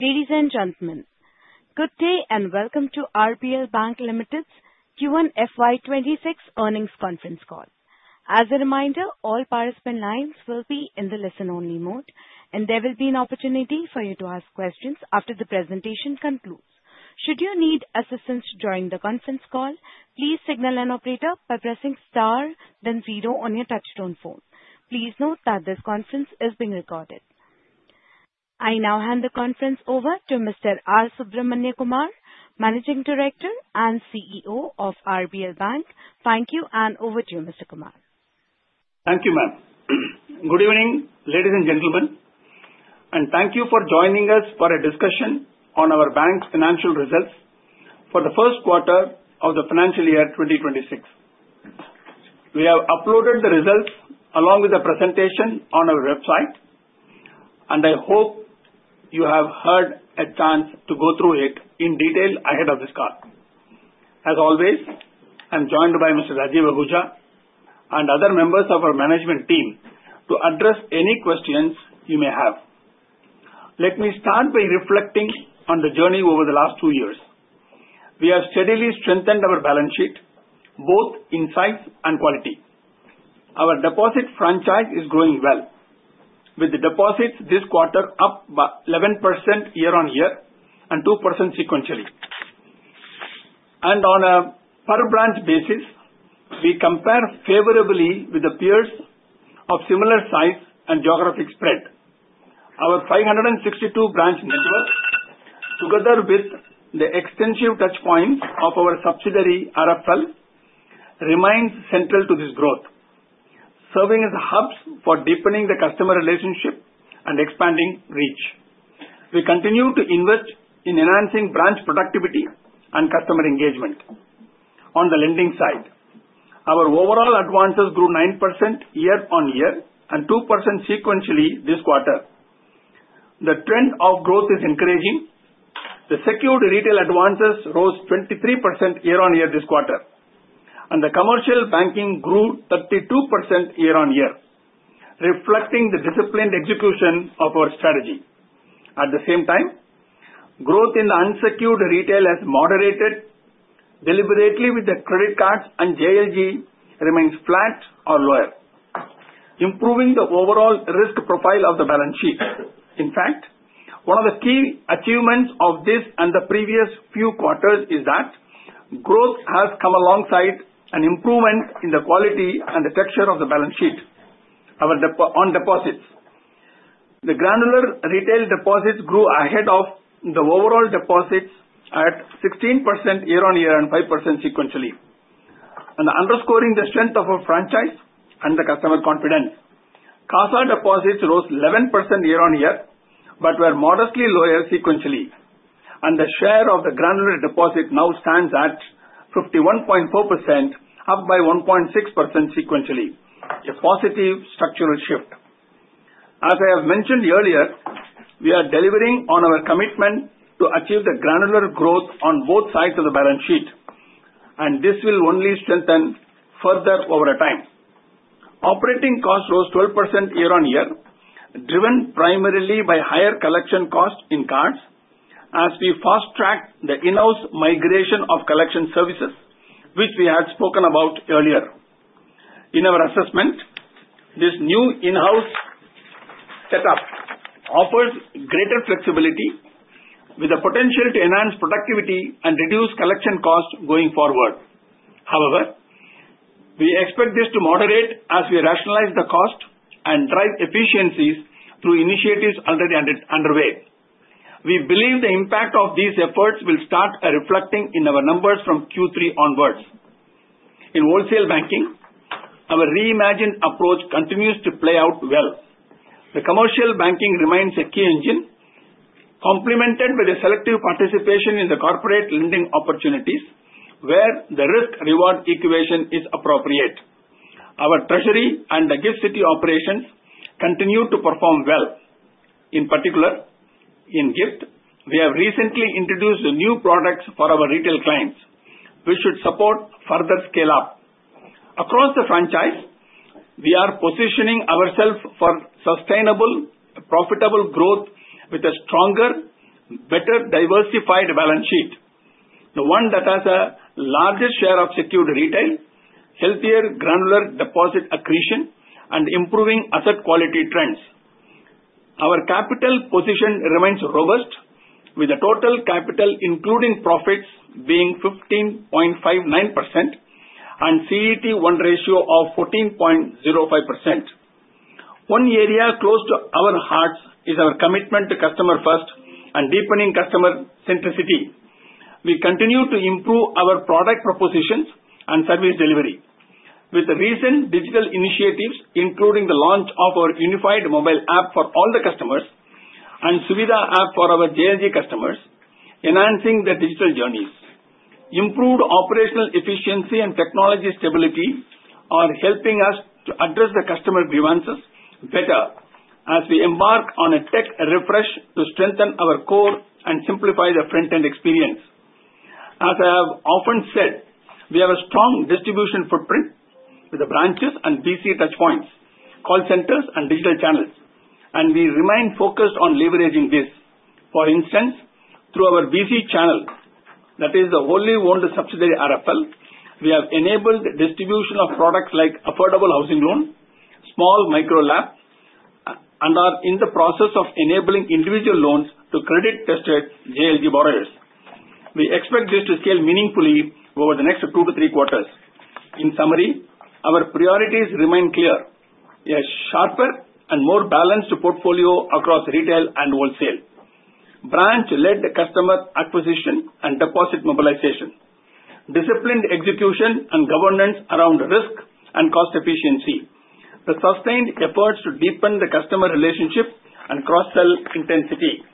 Ladies and gentlemen, good day and welcome to RBL Bank Limited's Q1 FY26 earnings conference call. As a reminder, all participant lines will be in the listen-only mode, and there will be an opportunity for you to ask questions after the presentation concludes. Should you need assistance during the conference call, please signal an operator by pressing star, then zero on your touch-tone phone. Please note that this conference is being recorded. I now hand the conference over to Mr. R. Subramaniakumar, Managing Director and CEO of RBL Bank. Thank you, and over to you, Mr. Kumar. Thank you, ma'am. Good evening, ladies and gentlemen, and thank you for joining us for a discussion on our bank's financial results for the first quarter of the financial year 2026. We have uploaded the results along with the presentation on our website, and I hope you have had a chance to go through it in detail ahead of this call. As always, I'm joined by Mr. Rajeev Ahuja and other members of our management team to address any questions you may have. Let me start by reflecting on the journey over the last two years. We have steadily strengthened our balance sheet, both in size and quality. Our deposit franchise is growing well, with the deposits this quarter up by 11% year-on-year and 2% sequentially, and on a per-branch basis, we compare favorably with peers of similar size and geographic spread. Our 562-branch network, together with the extensive touchpoints of our subsidiary RFL, remains central to this growth, serving as hubs for deepening the customer relationship and expanding reach. We continue to invest in enhancing branch productivity and customer engagement. On the lending side, our overall advances grew 9% year-on-year and 2% sequentially this quarter. The trend of growth is encouraging. The secured retail advances rose 23% year-on-year this quarter, and the commercial banking grew 32% year-on-year, reflecting the disciplined execution of our strategy. At the same time, growth in the unsecured retail has moderated deliberately with the credit cards, and JLG remains flat or lower, improving the overall risk profile of the balance sheet. In fact, one of the key achievements of this and the previous few quarters is that growth has come alongside an improvement in the quality and the texture of the balance sheet on deposits. The granular retail deposits grew ahead of the overall deposits at 16% year-on-year and 5% sequentially, underscoring the strength of our franchise and the customer confidence. CASA deposits rose 11% year-on-year but were modestly lower sequentially, and the share of the granular deposit now stands at 51.4%, up by 1.6% sequentially, a positive structural shift. As I have mentioned earlier, we are delivering on our commitment to achieve the granular growth on both sides of the balance sheet, and this will only strengthen further over time. Operating costs rose 12% year-on-year, driven primarily by higher collection costs in cards, as we fast-track the in-house migration of collection services, which we had spoken about earlier. In our assessment, this new in-house setup offers greater flexibility, with the potential to enhance productivity and reduce collection costs going forward. However, we expect this to moderate as we rationalize the cost and drive efficiencies through initiatives already underway. We believe the impact of these efforts will start reflecting in our numbers from Q3 onwards. In wholesale banking, our reimagined approach continues to play out well. The commercial banking remains a key engine, complemented with selective participation in the corporate lending opportunities, where the risk-reward equation is appropriate. Our treasury and the GIFT City operations continue to perform well. In particular, in GIFT City, we have recently introduced new products for our retail clients, which should support further scale-up. Across the franchise, we are positioning ourselves for sustainable, profitable growth with a stronger, better diversified balance sheet, the one that has a larger share of secured retail, healthier granular deposit accretion, and improving asset quality trends. Our capital position remains robust, with the total capital, including profits, being 15.59% and CET1 ratio of 14.05%. One area close to our hearts is our commitment to customer-first and deepening customer centricity. We continue to improve our product propositions and service delivery with recent digital initiatives, including the launch of our unified mobile app for all the customers and Suvidha app for our JLG customers, enhancing the digital journeys. Improved operational efficiency and technology stability are helping us to address the customer grievances better as we embark on a tech refresh to strengthen our core and simplify the front-end experience. As I have often said, we have a strong distribution footprint with the branches and BC touchpoints, call centers, and digital channels, and we remain focused on leveraging this. For instance, through our BC channel, that is the wholly-owned subsidiary RFL, we have enabled distribution of products like affordable housing loans, small micro-LAPs, and are in the process of enabling individual loans to credit-restricted JLG borrowers. We expect this to scale meaningfully over the next two to three quarters. In summary, our priorities remain clear. A sharper and more balanced portfolio across retail and wholesale, branch-led customer acquisition and deposit mobilization, disciplined execution and governance around risk and cost efficiency, the sustained efforts to deepen the customer relationship and cross-sell intensity.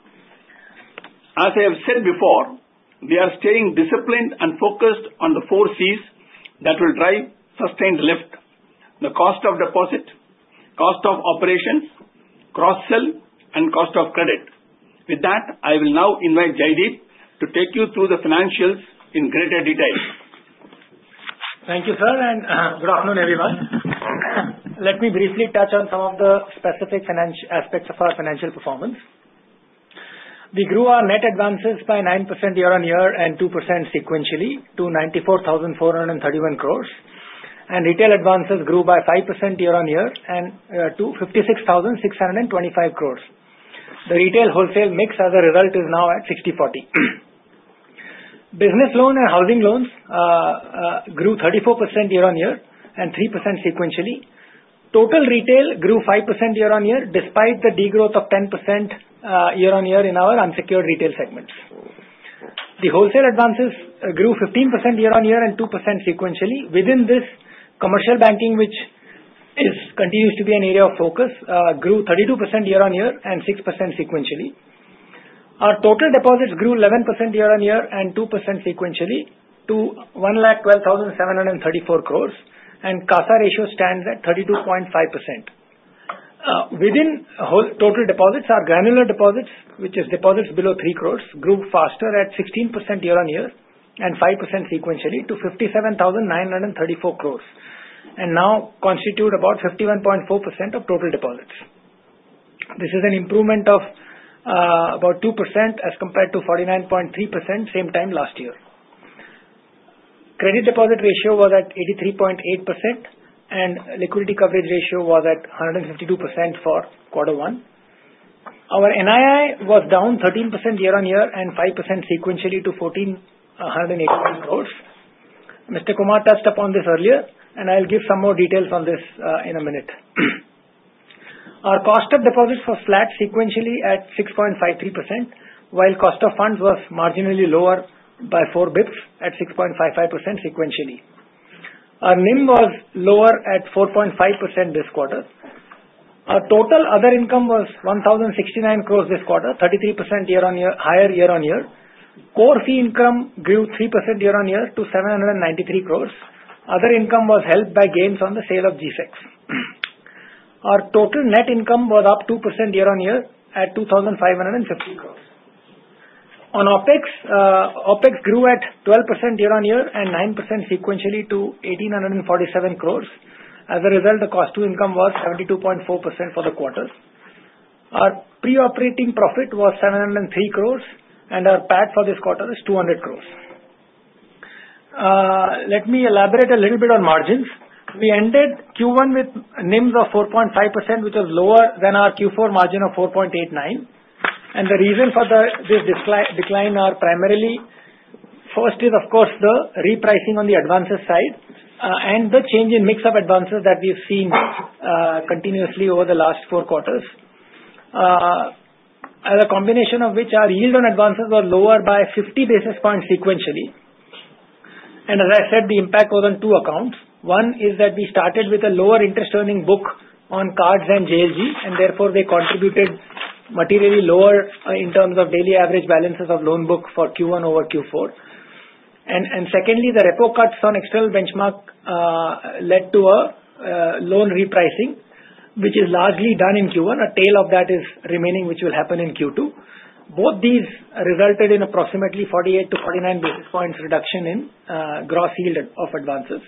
As I have said before, we are staying disciplined and focused on the four Cs that will drive sustained lift: the cost of deposit, cost of operations, cross-sell, and cost of credit. With that, I will now invite Jaideep to take you through the financials in greater detail. Thank you, sir, and good afternoon, everyone. Let me briefly touch on some of the specific aspects of our financial performance. We grew our net advances by 9% year-on-year and 2% sequentially to 94,431 crores, and retail advances grew by 5% year-on-year to 56,625 crores. The retail wholesale mix as a result is now at 60/40. Business loan and housing loans grew 34% year-on-year and 3% sequentially. Total retail grew 5% year-on-year despite the degrowth of 10% year-on-year in our unsecured retail segments. The wholesale advances grew 15% year-on-year and 2% sequentially. Within this, commercial banking, which continues to be an area of focus, grew 32% year-on-year and 6% sequentially. Our total deposits grew 11% year-on-year and 2% sequentially to 112,734 crores, and CASA ratio stands at 32.5%. Within total deposits, our granular deposits, which are deposits below 3 crores, grew faster at 16% year-on-year and 5% sequentially to 57,934 crores, and now constitute about 51.4% of total deposits. This is an improvement of about 2% as compared to 49.3% same time last year. Credit Deposit Ratio was at 83.8%, and Liquidity Coverage Ratio was at 152% for quarter one. Our NII was down 13% year-on-year and 5% sequentially to 1,481 crores. Mr. Kumar touched upon this earlier, and I'll give some more details on this in a minute. Our cost of deposits was flat sequentially at 6.53%, while cost of funds was marginally lower by 4 bps at 6.55% sequentially. Our NIM was lower at 4.5% this quarter. Our total other income was 1,069 crores this quarter, 33% higher year-on-year. Core fee income grew 3% year-on-year to 793 crores. Other income was helped by gains on the sale of G-Secs. Our total net income was up 2% year-on-year at 2,550 crores. On OpEx, OpEx grew at 12% year-on-year and 9% sequentially to 1,847 crores. As a result, the cost to income was 72.4% for the quarter. Our pre-operating profit was 703 crores, and our PAT for this quarter is 200 crores. Let me elaborate a little bit on margins. We ended Q1 with NIMs of 4.5%, which was lower than our Q4 margin of 4.89%. And the reason for this decline primarily first is, of course, the repricing on the advances side and the change in mix of advances that we've seen continuously over the last four quarters, as a combination of which our yield on advances was lower by 50 basis points sequentially. And as I said, the impact was on two accounts. One is that we started with a lower interest-earning book on cards and JLG, and therefore they contributed materially lower in terms of daily average balances of loan book for Q1 over Q4. And secondly, the repo cuts on external benchmark led to a loan repricing, which is largely done in Q1. A tail of that is remaining, which will happen in Q2. Both these resulted in approximately 48-49 basis points reduction in gross yield of advances.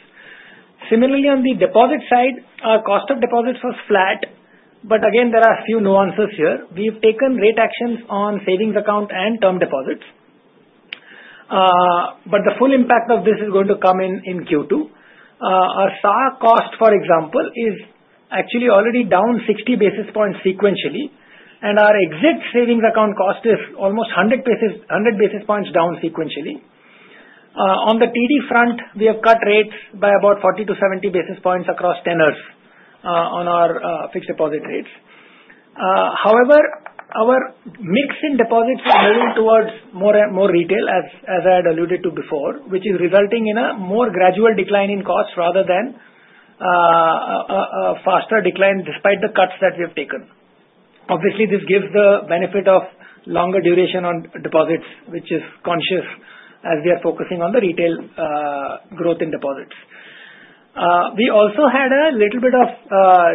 Similarly, on the deposit side, our cost of deposits was flat, but again, there are a few nuances here. We've taken rate actions on savings account and term deposits, but the full impact of this is going to come in Q2. Our SA cost, for example, is actually already down 60 basis points sequentially, and our exit savings account cost is almost 100 basis points down sequentially. On the TD front, we have cut rates by about 40-70 basis points across tenors on our fixed deposit rates. However, our mix in deposits is moving towards more retail, as I had alluded to before, which is resulting in a more gradual decline in costs rather than a faster decline despite the cuts that we have taken. Obviously, this gives the benefit of longer duration on deposits, which is conscious as we are focusing on the retail growth in deposits. We also had a little bit of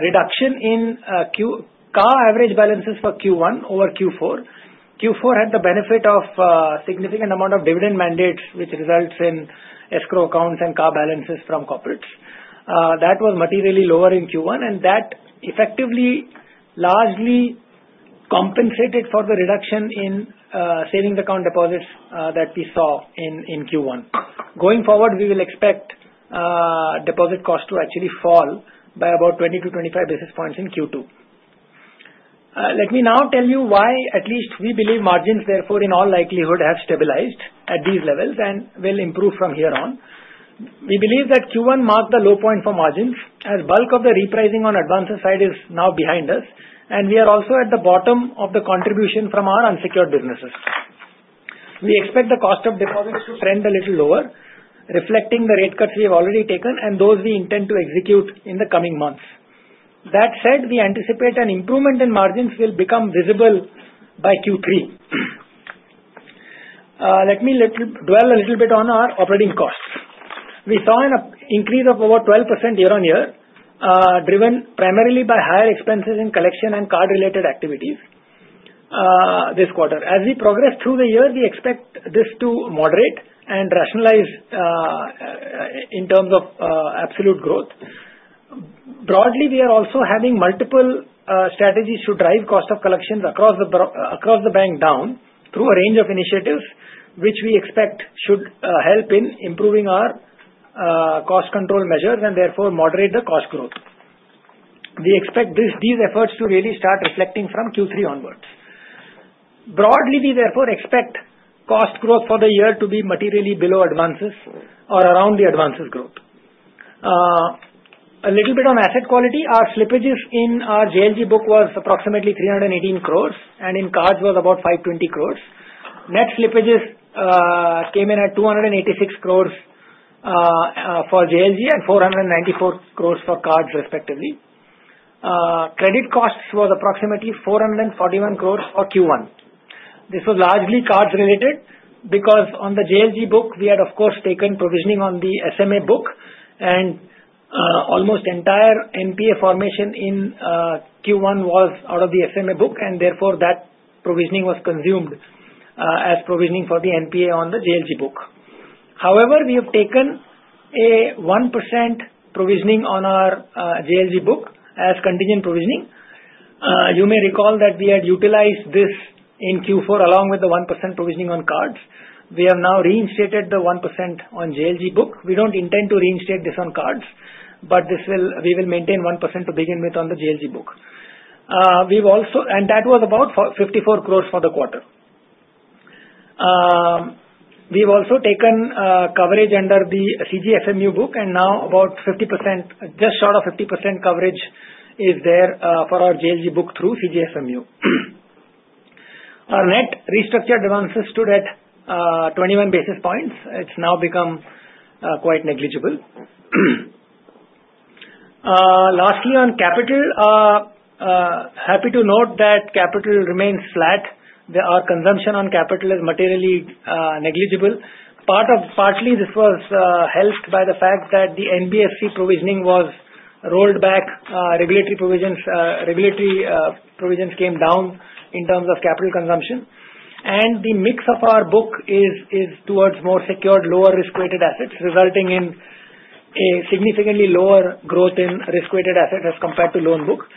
reduction in CASA average balances for Q1 over Q4. Q4 had the benefit of a significant amount of dividend mandates, which results in escrow accounts and CASA balances from corporates. That was materially lower in Q1, and that effectively largely compensated for the reduction in savings account deposits that we saw in Q1. Going forward, we will expect deposit costs to actually fall by about 20-25 basis points in Q2. Let me now tell you why at least we believe margins, therefore, in all likelihood, have stabilized at these levels and will improve from here on. We believe that Q1 marked the low point for margins as bulk of the repricing on advances side is now behind us, and we are also at the bottom of the contribution from our unsecured businesses. We expect the cost of deposits to trend a little lower, reflecting the rate cuts we have already taken and those we intend to execute in the coming months. That said, we anticipate an improvement in margins will become visible by Q3. Let me dwell a little bit on our operating costs. We saw an increase of over 12% year-on-year, driven primarily by higher expenses in collection and card-related activities this quarter. As we progress through the year, we expect this to moderate and rationalize in terms of absolute growth. Broadly, we are also having multiple strategies to drive cost of collections across the bank down through a range of initiatives, which we expect should help in improving our cost control measures and therefore moderate the cost growth. We expect these efforts to really start reflecting from Q3 onwards. Broadly, we therefore expect cost growth for the year to be materially below advances or around the advances growth. A little bit on asset quality. Our slippages in our JLG book was approximately 318 crores, and in cards was about 520 crores. Net slippages came in at 286 crores for JLG and 494 crores for cards, respectively. Credit costs was approximately 441 crores for Q1. This was largely cards-related because on the JLG book, we had, of course, taken provisioning on the SMA book, and almost entire NPA formation in Q1 was out of the SMA book, and therefore that provisioning was consumed as provisioning for the NPA on the JLG book. However, we have taken a 1% provisioning on our JLG book as contingent provisioning. You may recall that we had utilized this in Q4 along with the 1% provisioning on cards. We have now reinstated the 1% on JLG book. We don't intend to reinstate this on cards, but we will maintain 1% to begin with on the JLG book. And that was about 54 crores for the quarter. We've also taken coverage under the CGFMU book, and now about just short of 50% coverage is there for our JLG book through CGFMU. Our net restructured advances stood at 21 basis points. It's now become quite negligible. Lastly, on capital, happy to note that capital remains flat. Our consumption on capital is materially negligible. Partly, this was helped by the fact that the NBFC provisioning was rolled back. Regulatory provisions came down in terms of capital consumption, and the mix of our book is towards more secured, lower risk-weighted assets, resulting in a significantly lower growth in risk-weighted assets as compared to loan book.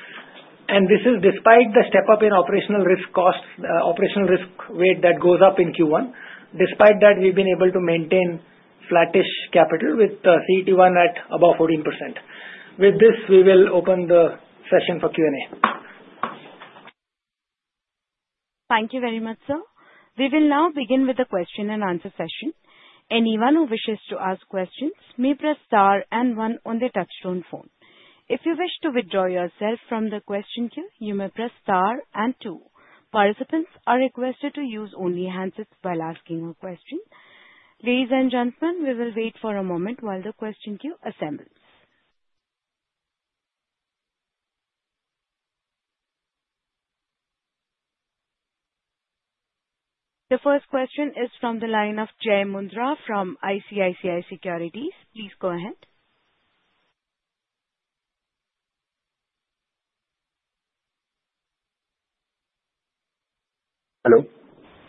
And this is despite the step-up in operational risk costs, operational risk weight that goes up in Q1. Despite that, we've been able to maintain flattish capital with CET1 at above 14%. With this, we will open the session for Q&A. Thank you very much, sir. We will now begin with the question and answer session. Anyone who wishes to ask questions may press star and one on the touch-tone phone. If you wish to withdraw yourself from the question queue, you may press star and two. Participants are requested to use only handsets while asking a question. Ladies and gentlemen, we will wait for a moment while the question queue assembles. The first question is from the line of Jai Mundhra from ICICI Securities. Please go ahead. Hello.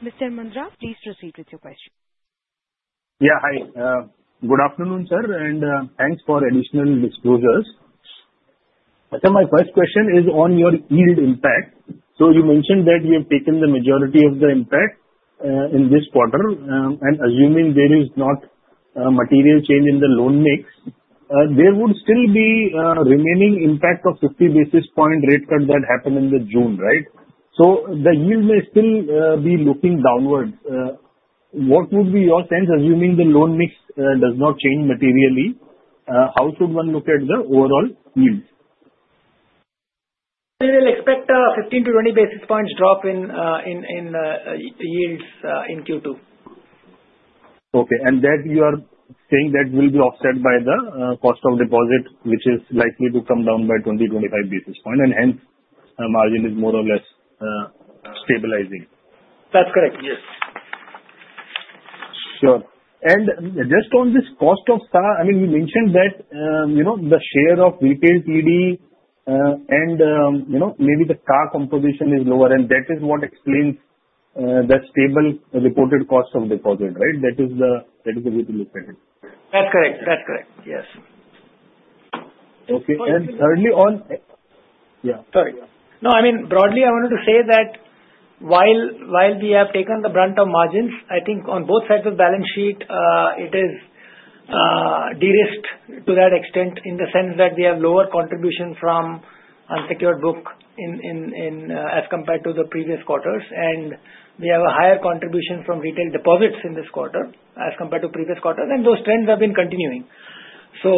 Mr. Mundhra, please proceed with your question. Yeah, hi. Good afternoon, sir, and thanks for additional disclosures. My first question is on your yield impact. So you mentioned that you have taken the majority of the impact in this quarter, and assuming there is no material change in the loan mix, there would still be a remaining impact of 50 basis points rate cut that happened in June, right? So the yield may still be looking downward. What would be your sense assuming the loan mix does not change materially? How should one look at the overall yield? We will expect a 15-20 basis points drop in yields in Q2. Okay. And that you are saying that will be offset by the cost of deposit, which is likely to come down by 20-25 basis points, and hence margin is more or less stabilizing. That's correct. Yes. Sure. And just on this cost of CASA, I mean, you mentioned that the share of retail TD and maybe the CASA composition is lower, and that is what explains the stable reported cost of deposit, right? That is the way to look at it. That's correct. That's correct. Yes. Okay and early on. Yeah. Sorry. No, I mean, broadly, I wanted to say that while we have taken the brunt of margins, I think on both sides of the balance sheet, it is dearest to that extent in the sense that we have lower contribution from unsecured book as compared to the previous quarters, and we have a higher contribution from retail deposits in this quarter as compared to previous quarters, and those trends have been continuing. So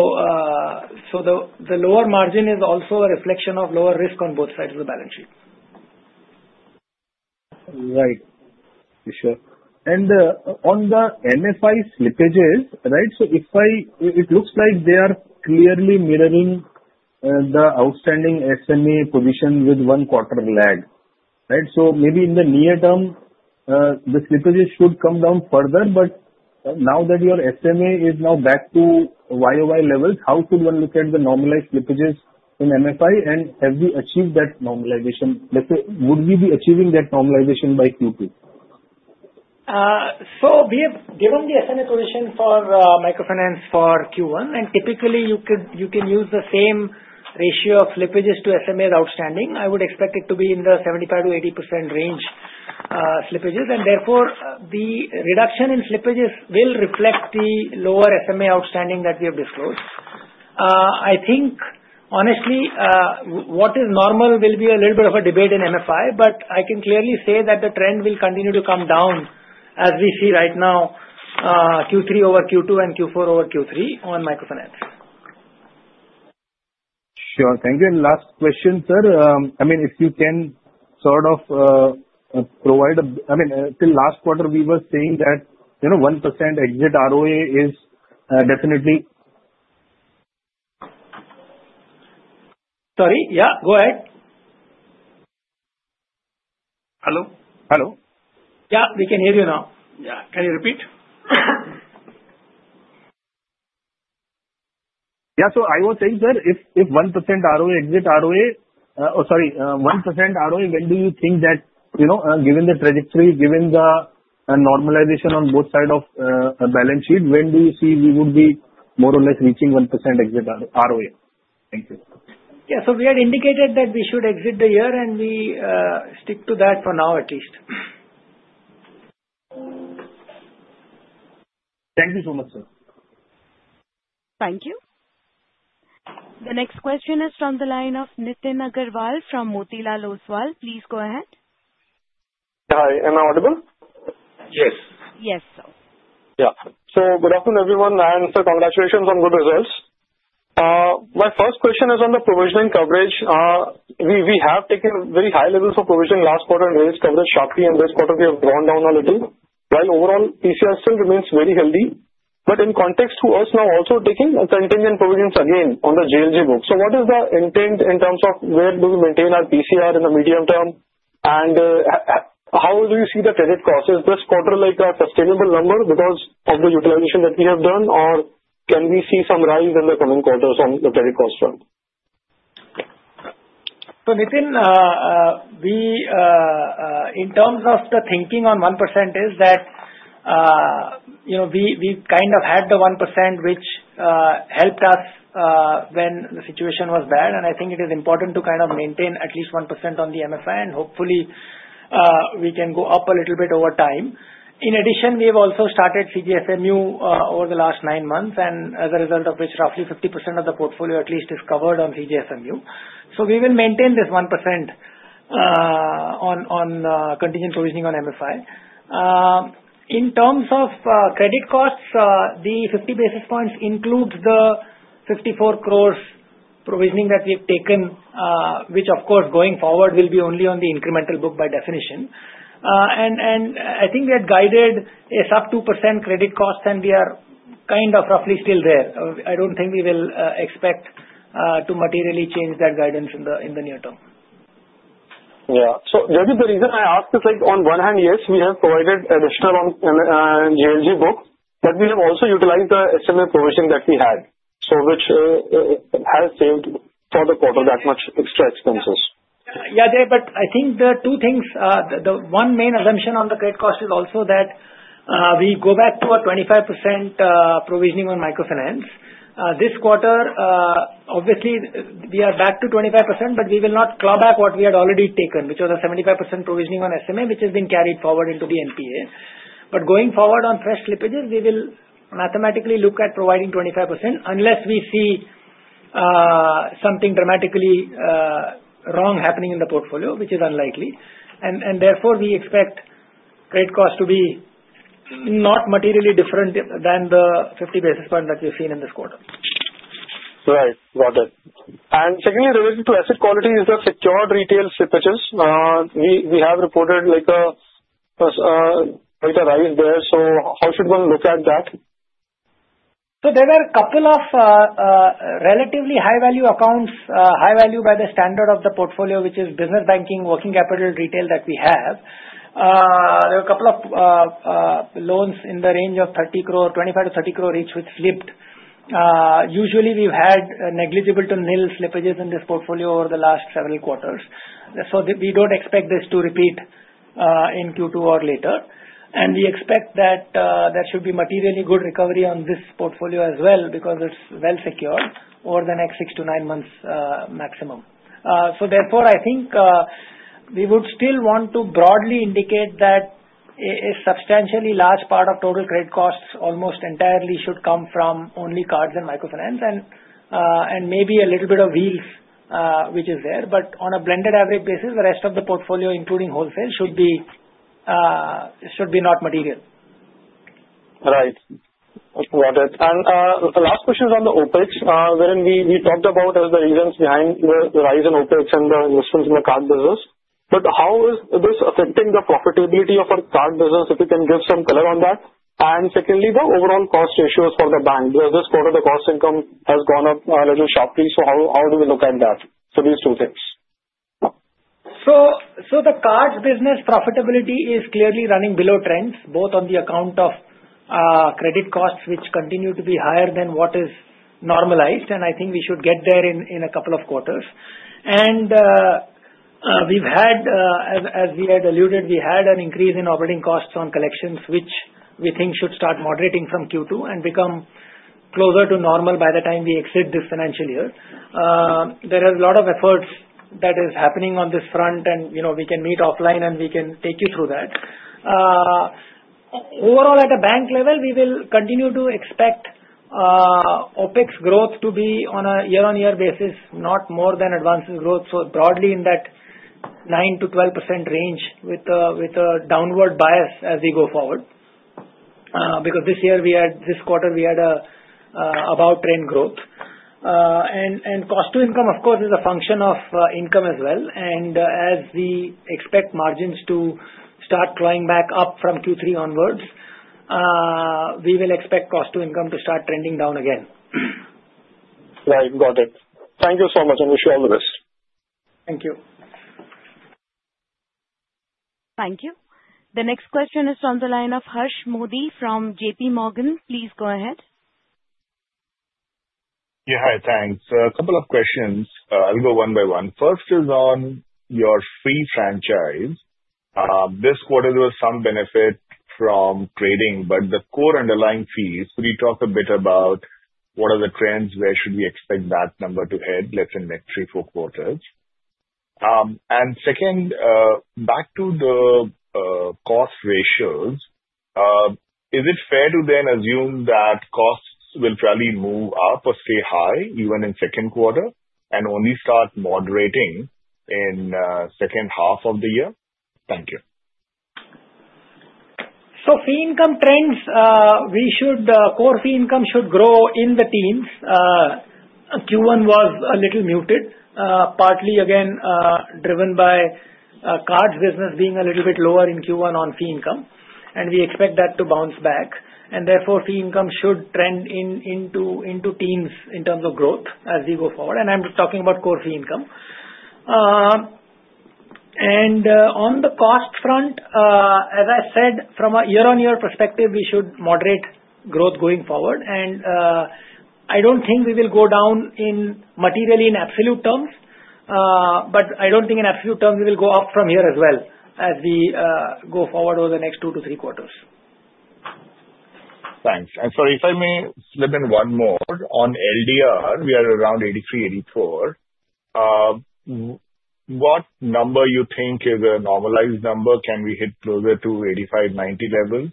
the lower margin is also a reflection of lower risk on both sides of the balance sheet. Right. Sure. And on the MFI slippages, right, so it looks like they are clearly mirroring the outstanding SMA position with one-quarter lag, right? So maybe in the near term, the slippages should come down further, but now that your SMA is now back to YoY levels, how should one look at the normalized slippages in MFI, and have we achieved that normalization? Would we be achieving that normalization by Q2? Given the SMA position for microfinance for Q1, and typically, you can use the same ratio of slippages to SMA outstanding, I would expect it to be in the 75%-80% range slippages, and therefore the reduction in slippages will reflect the lower SMA outstanding that we have disclosed. I think, honestly, what is normal will be a little bit of a debate in MFI, but I can clearly say that the trend will continue to come down as we see right now Q3 over Q2 and Q4 over Q3 on microfinance. Sure. Thank you. And last question, sir. I mean, if you can sort of provide a—I mean, till last quarter, we were saying that 1% exit ROA is definitely. Sorry. Yeah, go ahead. Hello. Hello. Yeah, we can hear you now. Yeah. Can you repeat? Yeah. So I was saying, sir, if 1% ROA exit ROA, oh, sorry, 1% ROA, when do you think that, given the trajectory, given the normalization on both sides of the balance sheet, when do you see we would be more or less reaching 1% exit ROA? Thank you. Yeah. So we had indicated that we should exit the year, and we stick to that for now at least. Thank you so much, sir. Thank you. The next question is from the line of Nitin Aggarwal from Motilal Oswal. Please go ahead. Yeah. Am I audible? Yes. Yes, sir. Yeah. So good afternoon, everyone, and sir, congratulations on good results. My first question is on the provisioning coverage. We have taken very high levels of provision last quarter and raised coverage sharply, and this quarter we have gone down a little, while overall PCR still remains very healthy, but in context to us now also taking contingent provisions again on the JLG book. So what is the intent in terms of where do we maintain our PCR in the medium term, and how do we see the credit costs? Is this quarter like a sustainable number because of the utilization that we have done, or can we see some rise in the coming quarters on the credit cost front? So Nitin, in terms of the thinking on 1%, is that we kind of had the 1% which helped us when the situation was bad, and I think it is important to kind of maintain at least 1% on the MFI, and hopefully, we can go up a little bit over time. In addition, we have also started CGFMU over the last nine months, and as a result of which, roughly 50% of the portfolio at least is covered on CGFMU. So we will maintain this 1% on contingent provisioning on MFI. In terms of credit costs, the 50 basis points includes the 54 crores provisioning that we have taken, which, of course, going forward will be only on the incremental book by definition. And I think we had guided a sub 2% credit cost, and we are kind of roughly still there. I don't think we will expect to materially change that guidance in the near term. Yeah. So maybe the reason I ask is, on one hand, yes, we have provided additional on JLG book, but we have also utilized the SMA provision that we had, which has saved for the quarter that much extra expenses. Yeah, but I think the two things, the one main assumption on the credit cost is also that we go back to a 25% provisioning on microfinance. This quarter, obviously, we are back to 25%, but we will not claw back what we had already taken, which was a 75% provisioning on SMA, which has been carried forward into the NPA. But going forward on fresh slippages, we will mathematically look at providing 25% unless we see something dramatically wrong happening in the portfolio, which is unlikely. And therefore, we expect credit cost to be not materially different than the 50 basis point that we have seen in this quarter. Right. Got it. And secondly, related to asset quality, is the secured retail slippages? We have reported quite a rise there. So how should one look at that? So there were a couple of relatively high-value accounts, high-value by the standard of the portfolio, which is business banking, working capital retail that we have. There were a couple of loans in the range of 25 crore-30 crore each, which slipped. Usually, we've had negligible to nil slippages in this portfolio over the last several quarters. So we don't expect this to repeat in Q2 or later. And we expect that there should be materially good recovery on this portfolio as well because it's well-secured over the next six to nine months maximum. So therefore, I think we would still want to broadly indicate that a substantially large part of total credit costs almost entirely should come from only cards and microfinance, and maybe a little bit of wheels, which is there. But on a blended average basis, the rest of the portfolio, including wholesale, should be not material. Right. Got it. And the last question is on the OpEx. We talked about the reasons behind the rise in OpEx and the investments in the card business. But how is this affecting the profitability of our card business, if you can give some color on that? And secondly, the overall cost ratios for the bank, because this quarter, the cost income has gone up a little sharply. So how do we look at that? So these two things. So the cards business profitability is clearly running below trends, both on the account of credit costs, which continue to be higher than what is normalized, and I think we should get there in a couple of quarters. And as we had alluded, we had an increase in operating costs on collections, which we think should start moderating from Q2 and become closer to normal by the time we exit this financial year. There are a lot of efforts that are happening on this front, and we can meet offline, and we can take you through that. Overall, at a bank level, we will continue to expect OpEx growth to be on a year-on-year basis, not more than advance growth, so broadly in that 9%-12% range with a downward bias as we go forward, because this year, this quarter, we had about trend growth. Cost to income, of course, is a function of income as well. As we expect margins to start climbing back up from Q3 onwards, we will expect cost to income to start trending down again. Right. Got it. Thank you so much, and wish you all the best. Thank you. Thank you. The next question is from the line of Harsh Modi from J.P. Morgan. Please go ahead. Yeah. Hi. Thanks. A couple of questions. I'll go one by one. First is on your fee franchise. This quarter, there was some benefit from trading, but the core underlying fees. Could you talk a bit about what are the trends? Where should we expect that number to head? Let's say next three, four quarters. And second, back to the cost ratios, is it fair to then assume that costs will probably move up or stay high even in second quarter and only start moderating in second half of the year? Thank you. So, fee income trends, core fee income should grow in the teens. Q1 was a little muted, partly again driven by cards business being a little bit lower in Q1 on fee income, and we expect that to bounce back. And therefore, fee income should trend into teens in terms of growth as we go forward. And I'm talking about core fee income. And on the cost front, as I said, from a year-on-year perspective, we should moderate growth going forward. And I don't think we will go down materially in absolute terms, but I don't think in absolute terms we will go up from here as well as we go forward over the next two to three quarters. Thanks. Sorry, if I may slip in one more on LDR, we are around 83-84. What number you think is a normalized number? Can we hit closer to 85-90 levels,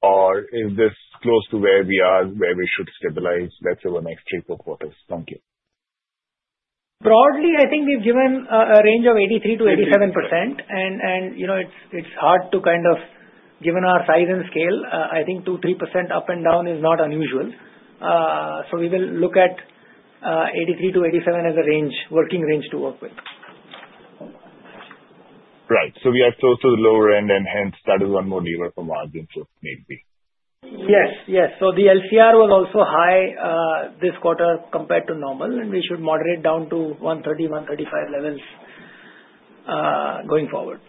or is this close to where we are, where we should stabilize better over the next three-four quarters? Thank you. Broadly, I think we've given a range of 83%-87%, and it's hard to kind of given our size and scale, I think 2%-3% up and down is not unusual. So we will look at 83%-87% as a working range to work with. Right. So we are close to the lower end, and hence that is one more lever for margins, maybe. Yes. Yes. So the LCR was also high this quarter compared to normal, and we should moderate down to 130, 135 levels going forward.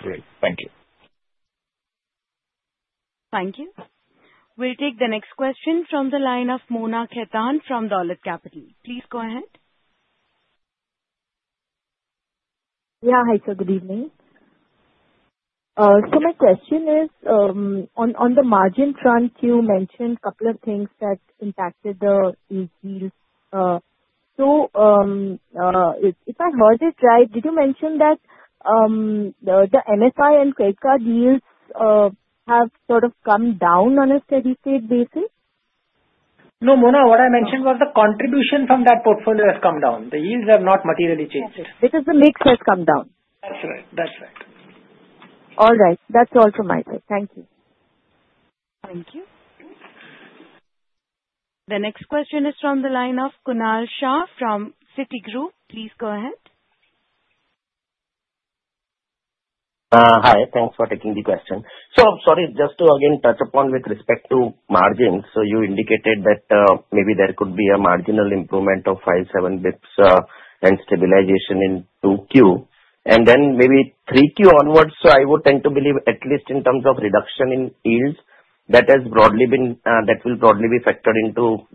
Great. Thank you. Thank you. We'll take the next question from the line of Mona Khetan from Dolat Capital. Please go ahead. Yeah. Hi, sir. Good evening. So my question is, on the margin front, you mentioned a couple of things that impacted the yields. So if I heard it right, did you mention that the MFI and credit card yields have sort of come down on a steady-state basis? No, Mona. What I mentioned was the contribution from that portfolio has come down. The yields have not materially changed. Okay. It is the mix has come down. That's right. That's right. All right. That's all from my side. Thank you. Thank you. The next question is from the line of Kunal Shah from Citigroup. Please go ahead. Hi. Thanks for taking the question. So sorry, just to again touch upon with respect to margins. So you indicated that maybe there could be a marginal improvement of 5-7 basis points and stabilization in 2Q, and then maybe 3Q onwards. So I would tend to believe, at least in terms of reduction in yields, that will broadly be factored into,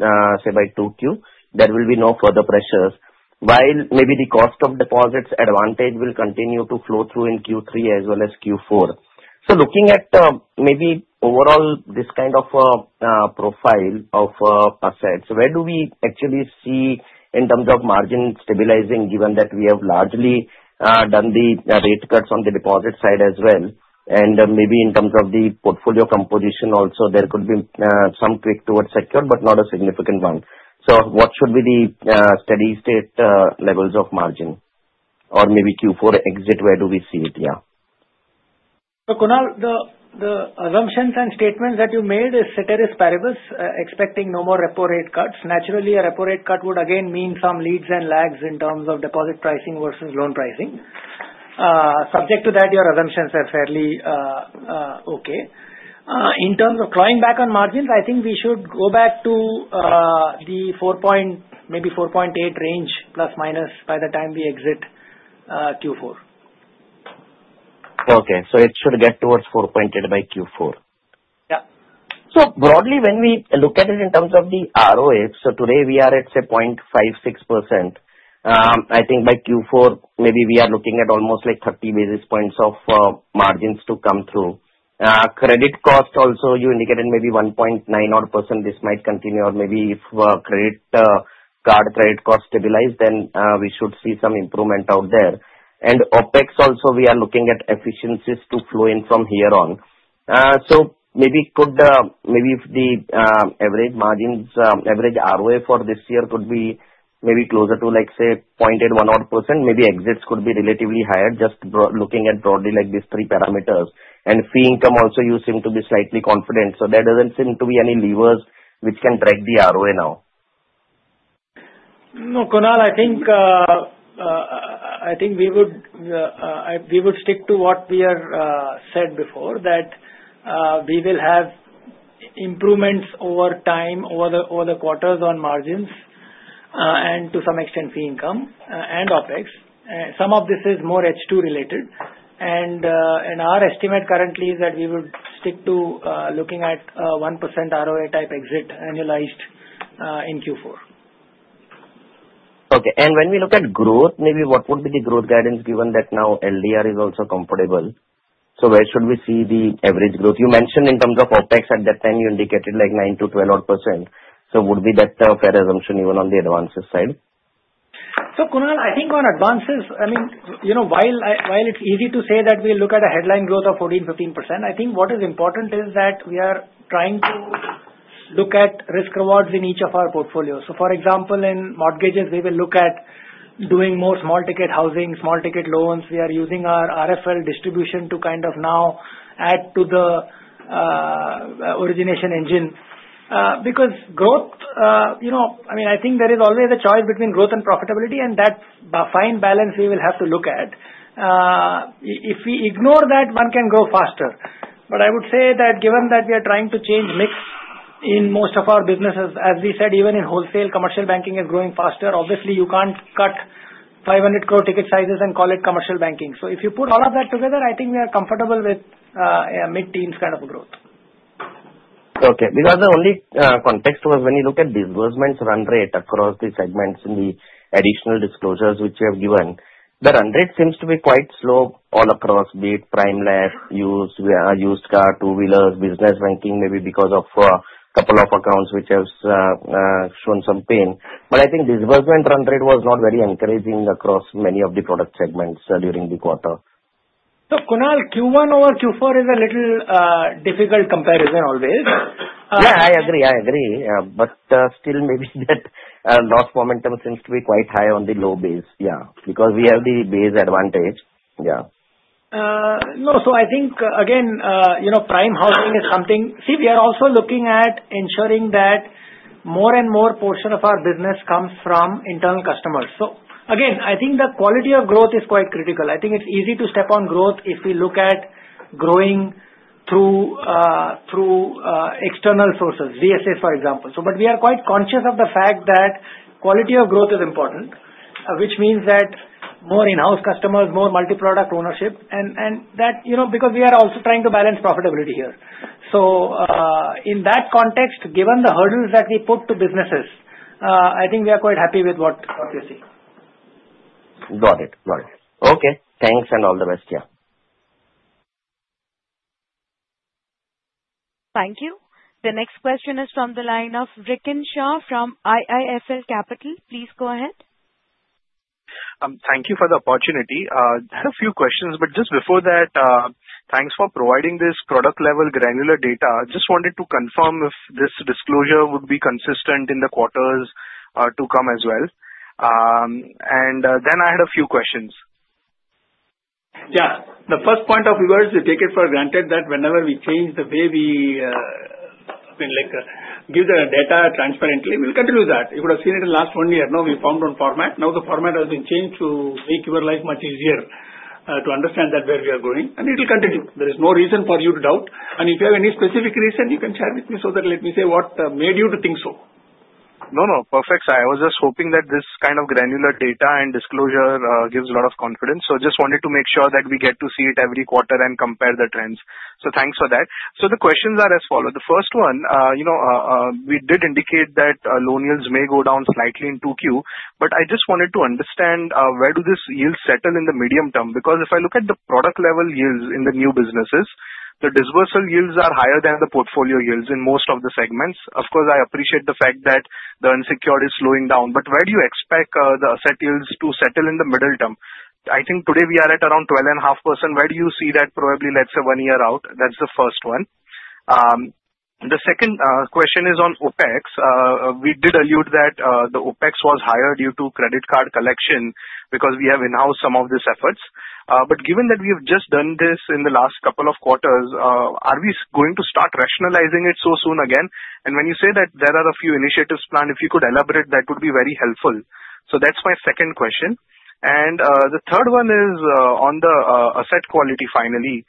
say, by 2Q, there will be no further pressures, while maybe the cost of deposits advantage will continue to flow through in Q3 as well as Q4. So looking at maybe overall this kind of profile of assets, where do we actually see in terms of margin stabilizing, given that we have largely done the rate cuts on the deposit side as well, and maybe in terms of the portfolio composition also, there could be some tweak towards secured, but not a significant one? So what should be the steady-state levels of margin? Or maybe Q4 exit, where do we see it? Yeah. So Kunal, the assumptions and statements that you made is ceteris paribus, expecting no more repo rate cuts. Naturally, a repo rate cut would again mean some leads and lags in terms of deposit pricing versus loan pricing. Subject to that, your assumptions are fairly okay. In terms of climbing back on margins, I think we should go back to the maybe 4.8 range, plus or minus, by the time we exit Q4. Okay. So it should get towards 4.8 by Q4. Yeah. So broadly, when we look at it in terms of the ROA, so today we are at, say, 0.56%. I think by Q4, maybe we are looking at almost like 30 basis points of margins to come through. Credit cost also, you indicated maybe 1.9%. This might continue, or maybe if credit card credit cost stabilized, then we should see some improvement out there. And OpEx also, we are looking at efficiencies to flow in from here on. So maybe if the average margins, average ROA for this year could be maybe closer to, say, 0.8%-1%, maybe exits could be relatively higher, just looking at broadly like these three parameters. And fee income also, you seem to be slightly confident. So there doesn't seem to be any levers which can drag the ROA now. No, Kunal, I think we would stick to what we have said before, that we will have improvements over time, over the quarters on margins, and to some extent, fee income and OpEx. Some of this is more H2 related. Our estimate currently is that we would stick to looking at 1% ROA type exit annualized in Q4. Okay. And when we look at growth, maybe what would be the growth guidance given that now LDR is also compatible? So where should we see the average growth? You mentioned in terms of OpEx at that time, you indicated like 9%-12%. So would be that a fair assumption even on the advances side? So Kunal, I think on advances, I mean, while it's easy to say that we look at a headline growth of 14%-15%, I think what is important is that we are trying to look at risk-rewards in each of our portfolios. So for example, in mortgages, we will look at doing more small-ticket housing, small-ticket loans. We are using our RFL distribution to kind of now add to the origination engine. Because growth, I mean, I think there is always a choice between growth and profitability, and that fine balance we will have to look at. If we ignore that, one can grow faster. But I would say that given that we are trying to change mix in most of our businesses, as we said, even in wholesale, commercial banking is growing faster. Obviously, you can't cut 500 crore ticket sizes and call it commercial banking. So if you put all of that together, I think we are comfortable with mid-teens kind of growth. Okay. Because the only context was when you look at disbursements run rate across the segments in the additional disclosures which you have given, the run rate seems to be quite slow all across, be it Prime LAP, used car, two-wheelers, business banking, maybe because of a couple of accounts which have shown some pain. But I think disbursement run rate was not very encouraging across many of the product segments during the quarter. Kunal, Q1 over Q4 is a little difficult comparison always. Yeah, I agree. I agree. But still, maybe that loss momentum seems to be quite high on the low base. Yeah. Because we have the base advantage. Yeah. No. So I think, again, prime housing is something. See, we are also looking at ensuring that more and more portion of our business comes from internal customers. So again, I think the quality of growth is quite critical. I think it's easy to step on growth if we look at growing through external sources, DSAs, for example. But we are quite conscious of the fact that quality of growth is important, which means that more in-house customers, more multi-product ownership, and that because we are also trying to balance profitability here. So in that context, given the hurdles that we put to businesses, I think we are quite happy with what we see. Got it. Got it. Okay. Thanks and all the best. Yeah. Thank you. The next question is from the line of Rikin Shah from IIFL Capital. Please go ahead. Thank you for the opportunity. I had a few questions, but just before that, thanks for providing this product-level granular data. I just wanted to confirm if this disclosure would be consistent in the quarters to come as well, and then I had a few questions. Yeah. The first point of yours is to take it for granted that whenever we change the way we give the data transparently, we'll continue that. You could have seen it in the last one year. Now, we found one format. Now the format has been changed to make your life much easier to understand where we are going. And it will continue. There is no reason for you to doubt. And if you have any specific reason, you can share with me so that, let me say, what made you think so. No, no. Perfect. I was just hoping that this kind of granular data and disclosure gives a lot of confidence. So I just wanted to make sure that we get to see it every quarter and compare the trends. So thanks for that. So the questions are as follows. The first one, we did indicate that loan yields may go down slightly in 2Q, but I just wanted to understand where do these yields settle in the medium term? Because if I look at the product-level yields in the new businesses, the disbursal yields are higher than the portfolio yields in most of the segments. Of course, I appreciate the fact that the unsecured is slowing down, but where do you expect the asset yields to settle in the medium term? I think today we are at around 12.5%. Where do you see that probably, let's say, one year out? That's the first one. The second question is on OpEx. We did allude that the OpEx was higher due to credit card collection because we have in-house some of these efforts. But given that we have just done this in the last couple of quarters, are we going to start rationalizing it so soon again? And when you say that there are a few initiatives planned, if you could elaborate, that would be very helpful. So that's my second question. And the third one is on the asset quality, finally.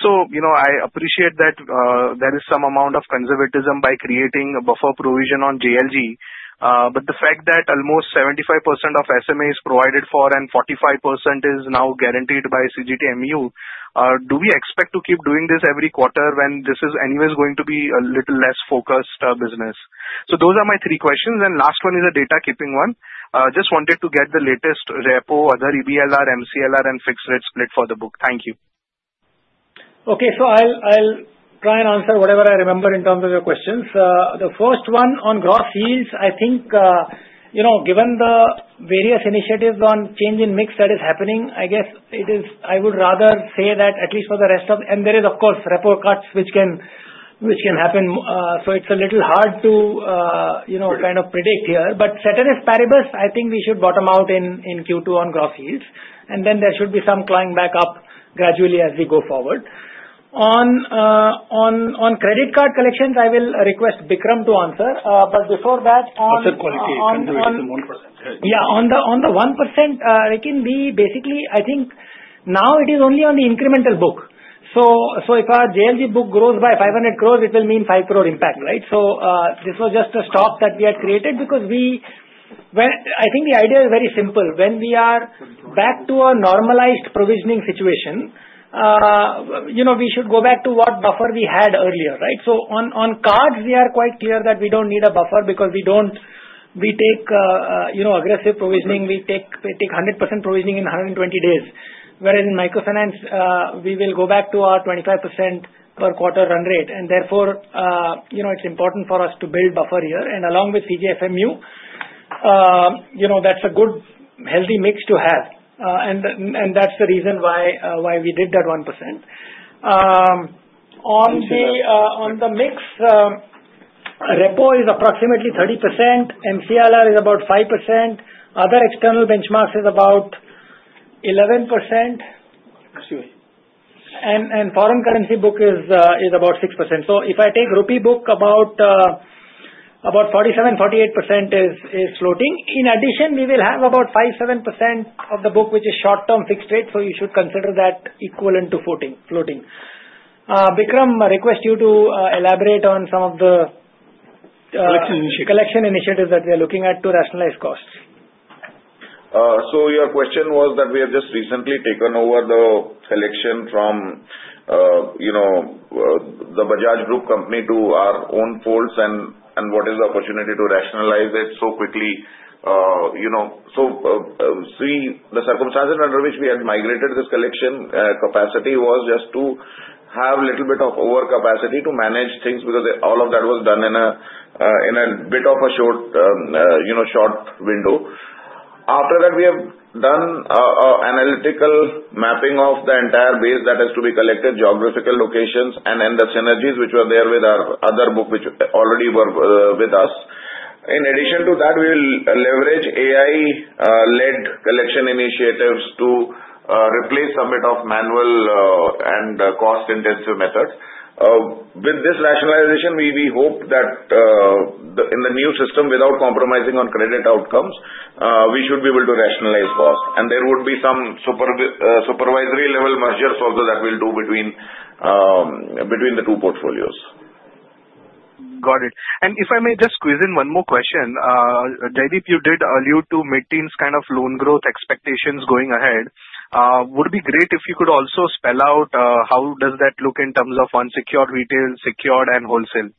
So I appreciate that there is some amount of conservatism by creating a buffer provision on JLG. But the fact that almost 75% of SMA is provided for and 45% is now guaranteed by CGFMU, do we expect to keep doing this every quarter when this is anyways going to be a little less focused business? Those are my three questions. Last one is a data-keeping one. Just wanted to get the latest repo, other EBLR, MCLR, and fixed-rate split for the book. Thank you. Okay. So I'll try and answer whatever I remember in terms of your questions. The first one on gross yields, I think given the various initiatives on change in mix that is happening, I guess I would rather say that at least for the rest of and there is, of course, repo cuts which can happen. So it's a little hard to kind of predict here. But ceteris paribus, I think we should bottom out in Q2 on gross yields. And then there should be some climb back up gradually as we go forward. On credit card collections, I will request Bikram to answer. But before that, on. Asset quality, conservatism, 1%. Yeah. On the 1%, Rikin, we basically I think now it is only on the incremental book. So if our JLG book grows by 500 crore, it will mean 5 crore impact, right? So this was just a stock that we had created because I think the idea is very simple. When we are back to a normalized provisioning situation, we should go back to what buffer we had earlier, right? So on cards, we are quite clear that we don't need a buffer because we take aggressive provisioning. We take 100% provisioning in 120 days. Whereas in microfinance, we will go back to our 25% per quarter run rate. And therefore, it's important for us to build buffer here. And along with CGFMU, that's a good, healthy mix to have. And that's the reason why we did that 1%. On the mix, repo is approximately 30%. MCLR is about 5%. Other external benchmarks is about 11%. And foreign currency book is about 6%. So if I take rupee book, about 47%-48% is floating. In addition, we will have about 5%-7% of the book, which is short-term fixed rate. So you should consider that equivalent to floating. Bikram, I request you to elaborate on some of the. Collection initiative. Collection initiatives that we are looking at to rationalize costs. So your question was that we have just recently taken over the collection from the Bajaj Group company to our own folds, and what is the opportunity to rationalize it so quickly? So see, the circumstances under which we had migrated this collection capacity was just to have a little bit of overcapacity to manage things because all of that was done in a bit of a short window. After that, we have done analytical mapping of the entire base that has to be collected, geographical locations, and then the synergies which were there with our other book which already were with us. In addition to that, we will leverage AI-led collection initiatives to replace some bit of manual and cost-intensive methods. With this rationalization, we hope that in the new system, without compromising on credit outcomes, we should be able to rationalize cost. There would be some supervisory-level mergers also that we'll do between the two portfolios. Got it. And if I may just squeeze in one more question, Jaideep, you did allude to mid-teens kind of loan growth expectations going ahead. Would be great if you could also spell out how does that look in terms of unsecured retail, secured, and wholesale?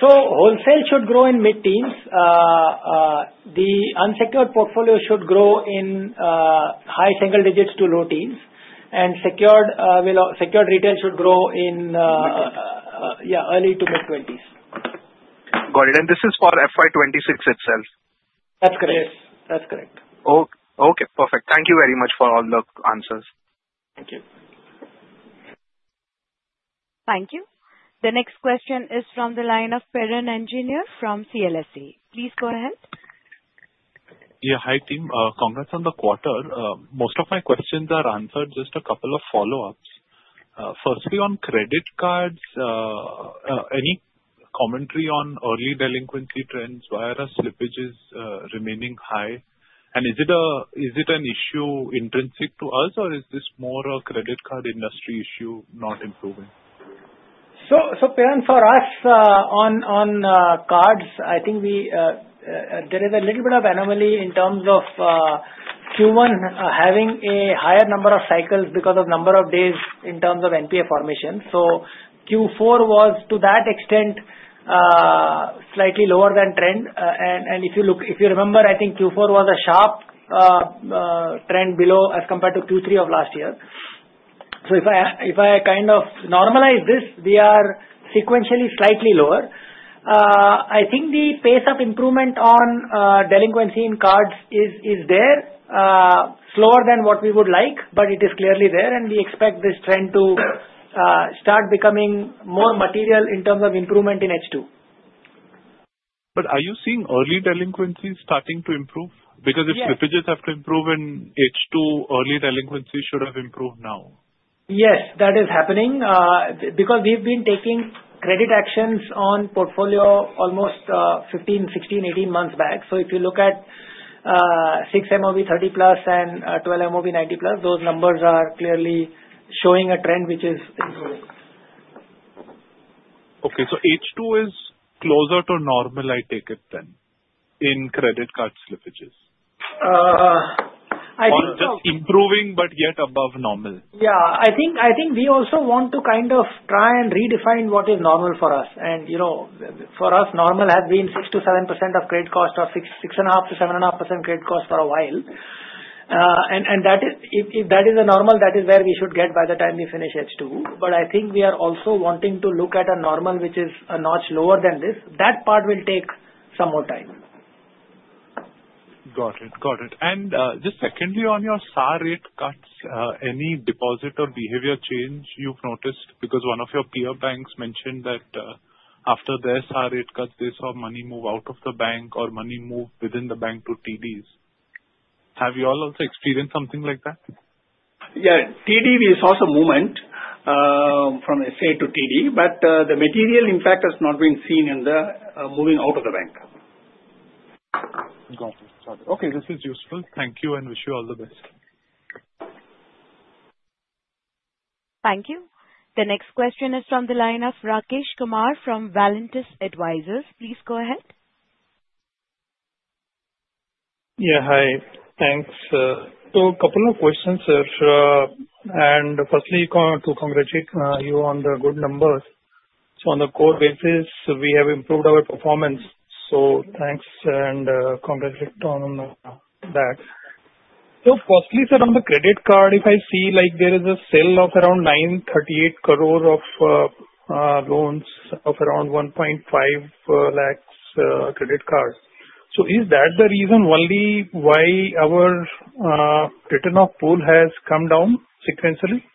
So wholesale should grow in mid-teens. The unsecured portfolio should grow in high single digits to low teens. And secured retail should grow in, yeah, early to mid-20s. Got it. And this is for FY26 itself? That's correct. Yes. That's correct. Okay. Perfect. Thank you very much for all the answers. Thank you. Thank you. The next question is from the line of Piran Engineer from CLSA. Please go ahead. Yeah. Hi, team. Congrats on the quarter. Most of my questions are answered. Just a couple of follow-ups. Firstly, on credit cards, any commentary on early delinquency trends? Why are our slippages remaining high? And is it an issue intrinsic to us, or is this more a credit card industry issue not improving? So, for us, on cards, I think there is a little bit of anomaly in terms of Q1 having a higher number of cycles because of number of days in terms of NPA formation. So, Q4 was, to that extent, slightly lower than trend. And if you remember, I think Q4 was a sharp trend below as compared to Q3 of last year. So, if I kind of normalize this, we are sequentially slightly lower. I think the pace of improvement on delinquency in cards is there, slower than what we would like, but it is clearly there. And we expect this trend to start becoming more material in terms of improvement in H2. But are you seeing early delinquency starting to improve? Because if slippages have to improve in H2, early delinquency should have improved now. Yes, that is happening. Because we've been taking credit actions on portfolio almost 15, 16, 18 months back. So if you look at 6 MOB 30+ and 12 MOB 90+, those numbers are clearly showing a trend which is improving. Okay. So H2 is closer to normal, I take it then, in credit card slippages? I think. Or just improving but yet above normal? Yeah. I think we also want to kind of try and redefine what is normal for us. And for us, normal has been 6%-7% of credit cost or 6.5%-7.5% credit cost for a while. And if that is the normal, that is where we should get by the time we finish H2. But I think we are also wanting to look at a normal which is a notch lower than this. That part will take some more time. Got it. Got it. And just secondly, on your SA rate cuts, any deposit or behavior change you've noticed? Because one of your peer banks mentioned that after their SA rate cuts, they saw money move out of the bank or money move within the bank to TDs. Have you all also experienced something like that? Yeah. TD, we saw some movement from SA to TD. But the material impact has not been seen in the moving out of the bank. Got it. Got it. Okay. This is useful. Thank you and wish you all the best. Thank you. The next question is from the line of Rakesh Kumar from Valentis Advisors. Please go ahead. Yeah. Hi. Thanks. So a couple of questions, sir. And firstly, to congratulate you on the good numbers. So on a core basis, we have improved our performance. So thanks and congratulate on that. So firstly, sir, on the credit card, if I see there is a sale of around 938 crore of loans of around 1.5 lakhs credit cards. So is that the reason only why our return of pool has come down sequentially?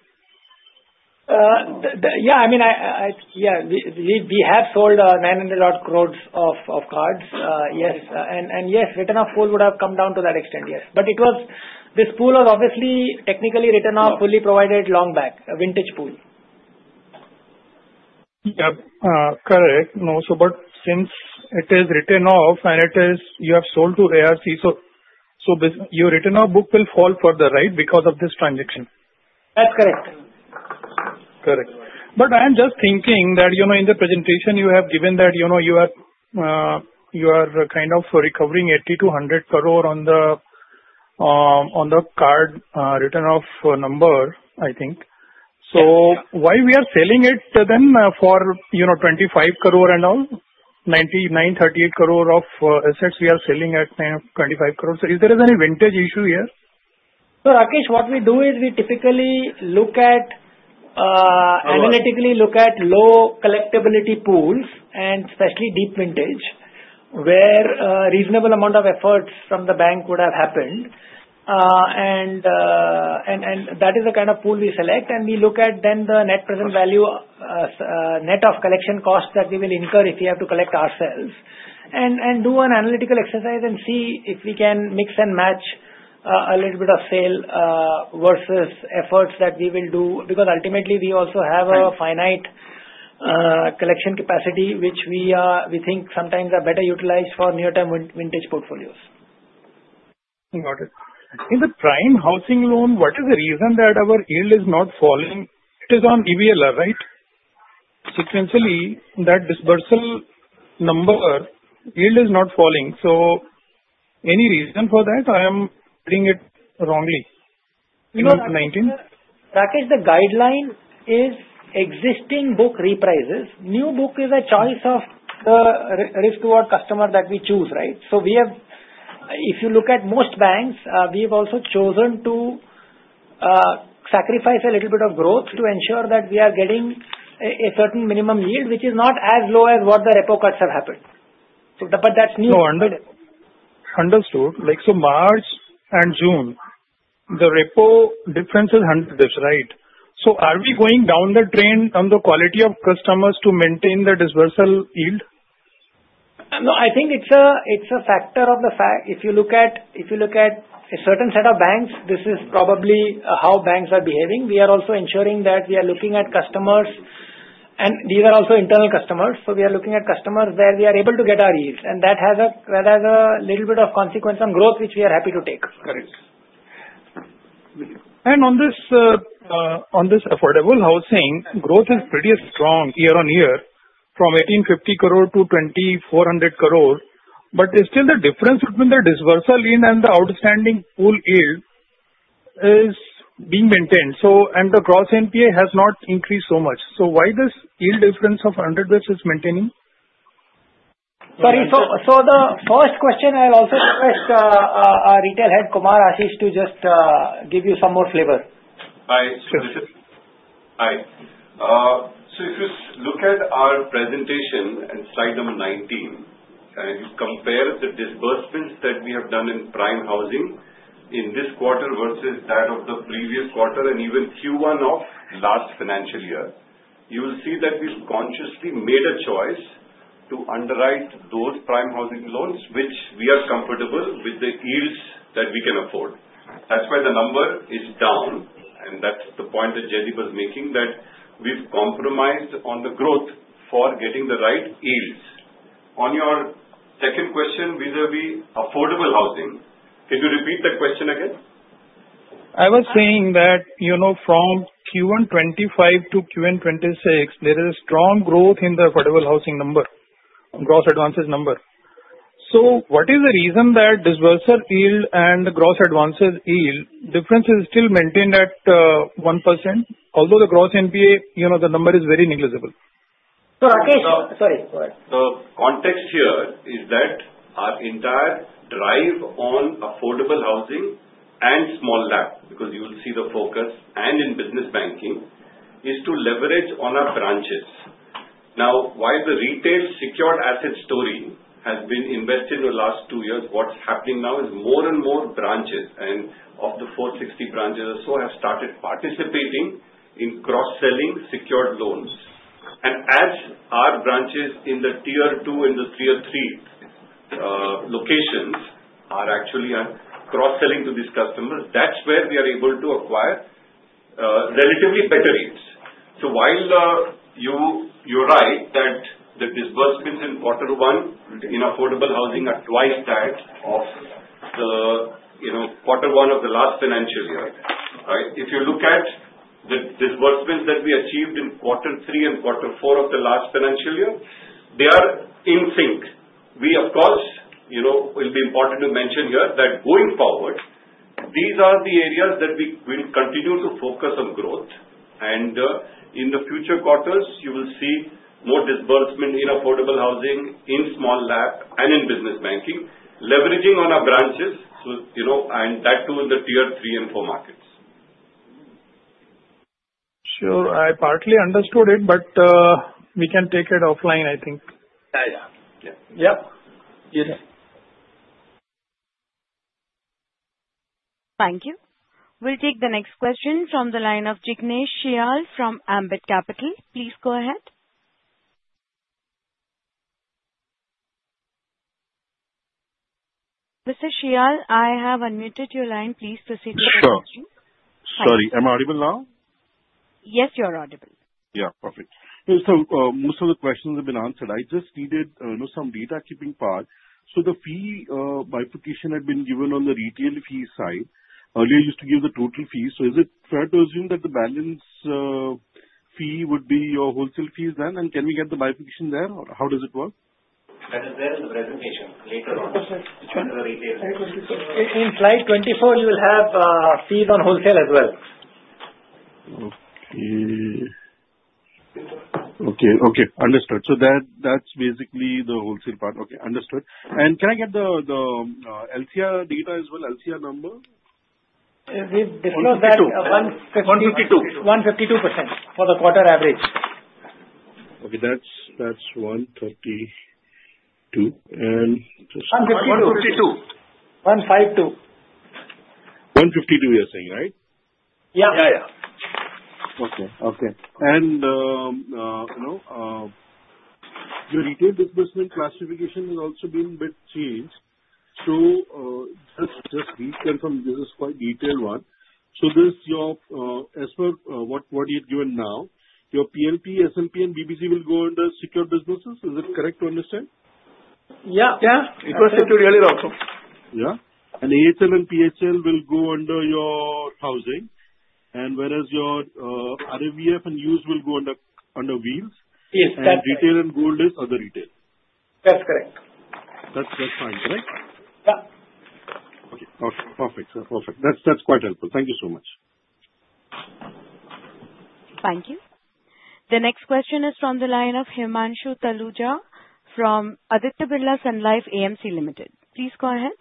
Yeah. I mean, yeah, we have sold 900-odd crores of cards. Yes. And yes, return of pool would have come down to that extent, yes. But this pool was obviously technically written off, fully provided long back, a vintage pool. Yep. Correct. No. But since it is written off and you have sold to ARC, so your return on book will fall further, right, because of this transaction? That's correct. Correct. But I am just thinking that in the presentation, you have given that you are kind of recovering 80 crore-100 crore on the card return of number, I think. So why we are selling it then for 25 crore and all? 938 crore of assets we are selling at 25 crore. So if there is any vintage issue here? Rakesh, what we do is we typically look at analytically low collectibility pools and especially deep vintage, where a reasonable amount of efforts from the bank would have happened. And that is the kind of pool we select. And we look at then the net present value, net of collection cost that we will incur if we have to collect ourselves. And do an analytical exercise and see if we can mix and match a little bit of sale versus efforts that we will do. Because ultimately, we also have a finite collection capacity, which we think sometimes are better utilized for near-term vintage portfolios. Got it. In the prime housing loan, what is the reason that our yield is not falling? It is on EBLR, right? Sequentially, that disbursal number, yield is not falling. So any reason for that? I am reading it wrongly. Rakesh, the guideline is existing book reprices. New book is a choice of the risk-reward customer that we choose, right? So if you look at most banks, we have also chosen to sacrifice a little bit of growth to ensure that we are getting a certain minimum yield, which is not as low as what the repo cuts have happened. But that's new. Understood. So March and June, the repo difference is 100%, right? So are we going down the drain on the quality of customers to maintain the disbursal yield? No. I think it's a factor of the fact. If you look at a certain set of banks, this is probably how banks are behaving. We are also ensuring that we are looking at customers, and these are also internal customers, so we are looking at customers where we are able to get our yield, and that has a little bit of consequence on growth, which we are happy to take. Correct. And on this affordable housing, growth is pretty strong year on year, from 1,850 crore-2,400 crore. But still, the difference between the disbursal yield and the outstanding pool yield is being maintained. And the gross NPA has not increased so much. So why this yield difference of 100% is maintaining? Sorry. So the first question, I'll also request our retail head, Kumar Ashish, to just give you some more flavor. Hi. So if you look at our presentation and slide number 19, and you compare the disbursements that we have done in prime housing in this quarter versus that of the previous quarter and even Q1 of last financial year, you will see that we've consciously made a choice to underwrite those prime housing loans, which we are comfortable with the yields that we can afford. That's why the number is down. And that's the point that Jaideep was making, that we've compromised on the growth for getting the right yields. On your second question, vis-à-vis affordable housing, can you repeat the question again? I was saying that from Q1 25-Q1 26, there is a strong growth in the affordable housing number, gross advances number. So what is the reason that disbursal yield and the gross advances yield difference is still maintained at 1%, although the gross NPA, the number is very negligible? So Rakesh, sorry. The context here is that our entire drive on affordable housing and small LAP, because you will see the focus and in business banking, is to leverage on our branches. Now, while the retail secured asset story has been invested in the last two years, what's happening now is more and more branches of the 460 branches or so have started participating in cross-selling secured loans, and as our branches in the Tier 2 and the Tier 3 locations are actually cross-selling to these customers, that's where we are able to acquire relatively better yields. So while you're right that the disbursements in quarter one in affordable housing are twice that of the quarter one of the last financial year, right? If you look at the disbursements that we achieved in quarter three and quarter four of the last financial year, they are in sync. We, of course, it'll be important to mention here that going forward, these are the areas that we will continue to focus on growth, and in the future quarters, you will see more disbursement in affordable housing, in small LAP, and in business banking, leveraging on our branches, and that too in the Tier 3 and four markets. Sure. I partly understood it, but we can take it offline, I think. Yeah. Yeah. Yes. Thank you. We'll take the next question from the line of Jignesh Shial from Ambit Capital. Please go ahead. Mr. Shial, I have unmuted your line. Please proceed to the question. Sure. Sorry. Am I audible now? Yes, you're audible. Yeah. Perfect. So most of the questions have been answered. I just needed some data keeping part. So the fee bifurcation had been given on the retail fee side. Earlier, you used to give the total fee. So is it fair to assume that the balance fee would be your wholesale fees then? And can we get the bifurcation there? How does it work? That is there in the presentation later on. Okay. In slide 24, you will have fees on wholesale as well. Okay. Understood. So that's basically the wholesale part. And can I get the LCR data as well, LCR number? We've disclosed that 152. 152. 152% for the quarter average. Okay. That's 132. And just. 152. 152. 152. 152, you're saying, right? Yeah. Yeah. Yeah. Okay. And your retail disbursement classification has also been a bit changed. So just reconfirm, this is quite detailed one. So as per what you've given now, your PLAP, SLAP, and BBG will go under secured businesses. Is it correct to understand? Yeah. Yeah. It was set to really low. Yeah. And AHL and PHL will go under your housing. And whereas your RVF and Used will go under Wheels. Yes. Retail and gold is other retail. That's correct. That's fine, correct? Yeah. Okay. Okay. Perfect. Perfect. That's quite helpful. Thank you so much. Thank you. The next question is from the line of Himanshu Taluja from Aditya Birla Sun Life AMC Limited. Please go ahead.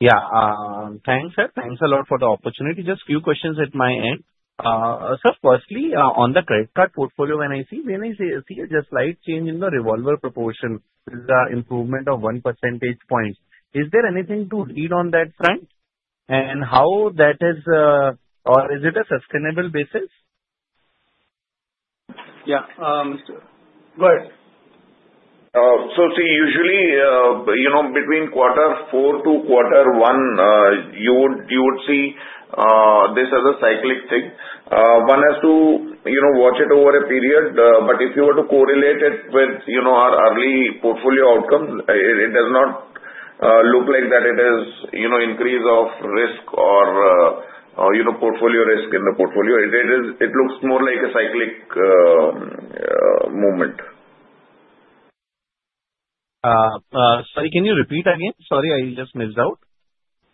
Yeah. Thanks, sir. Thanks a lot for the opportunity. Just a few questions at my end. So firstly, on the credit card portfolio, when I see just slight change in the revolver proportion, there's an improvement of one percentage point. Is there anything to read on that front? And how that is, or is it a sustainable basis? Yeah. Go ahead. So see, usually between quarter four to quarter one, you would see this as a cyclic thing. One has to watch it over a period. But if you were to correlate it with our early portfolio outcome, it does not look like that it is an increase of risk or portfolio risk in the portfolio. It looks more like a cyclic movement. Sorry, can you repeat again? Sorry, I just missed out.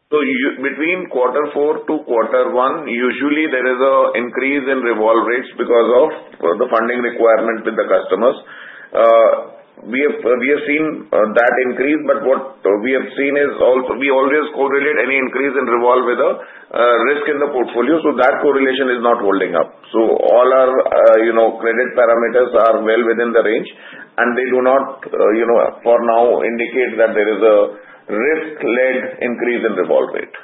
So between quarter four to quarter one, usually there is an increase in revolve rates because of the funding requirement with the customers. We have seen that increase. But what we have seen is also we always correlate any increase in revolve with a risk in the portfolio. So that correlation is not holding up. So all our credit parameters are well within the range. And they do not, for now, indicate that there is a risk-led increase in revolve rate.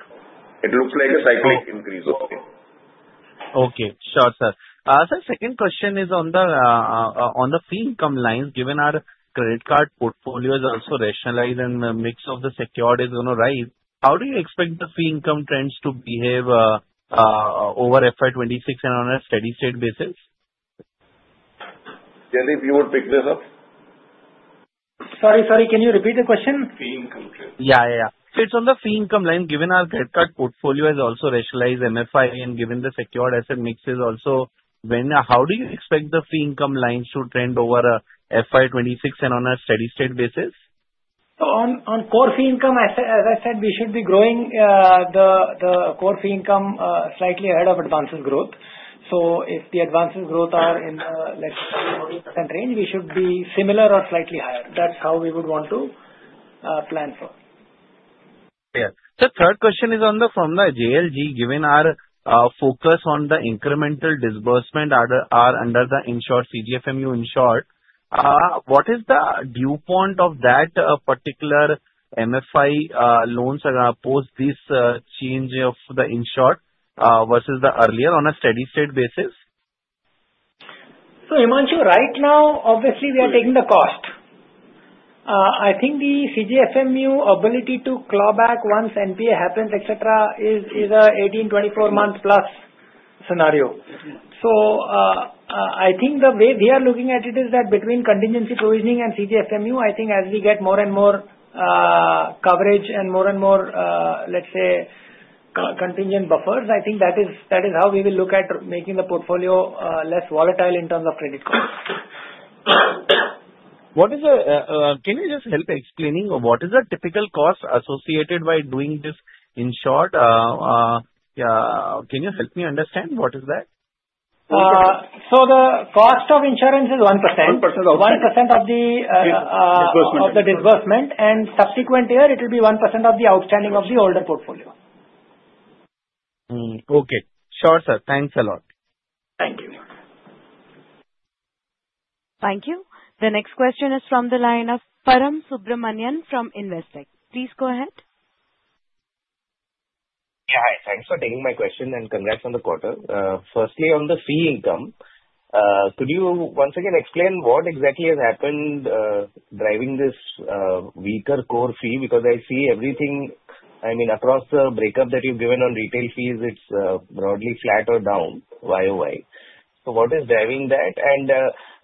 It looks like a cyclic increase. Okay. Okay. Sure, sir. So the second question is on the fee income lines. Given our credit card portfolio is also rationalized and the mix of the secured is going to rise, how do you expect the fee income trends to behave over FY26 and on a steady-state basis? Jaideep, you would pick this up? Sorry. Sorry. Can you repeat the question? Fee income trends. It's on the fee income line. Given our credit card portfolio is also rationalized MFI and given the secured asset mix is also, how do you expect the fee income lines to trend over FY26 and on a steady-state basis? So on core fee income, as I said, we should be growing the core fee income slightly ahead of advances growth. So if the advances growth are in the, let's say, 40% range, we should be similar or slightly higher. That's how we would want to plan for. Yes. The third question is from the JLG. Given our focus on the incremental disbursement under the insured CGFMU, what is the viewpoint of that particular MFI loans post this change of the insured versus the earlier on a steady-state basis? So Himanshu, right now, obviously, we are taking the cost. I think the CGFMU ability to claw back once NPA happens, etc., is an 18-24 months plus scenario. So I think the way we are looking at it is that between contingency provisioning and CGFMU, I think as we get more and more coverage and more and more, let's say, contingent buffers, I think that is how we will look at making the portfolio less volatile in terms of credit cards. Can you just help explaining what is the typical cost associated by doing this insured? Can you help me understand what is that? So the cost of insurance is 1%. 1% of the. 1% of the disbursement. Of the disbursement. Subsequent year, it will be 1% of the outstanding of the older portfolio. Okay. Sure, sir. Thanks a lot. Thank you. Thank you. The next question is from the line of Param Subramanian from Investec. Please go ahead. Yeah. Hi. Thanks for taking my question and congrats on the quarter. Firstly, on the fee income, could you once again explain what exactly has happened driving this weaker core fee? Because I see everything, I mean, across the breakup that you've given on retail fees, it's broadly flat or down YoY. So what is driving that? And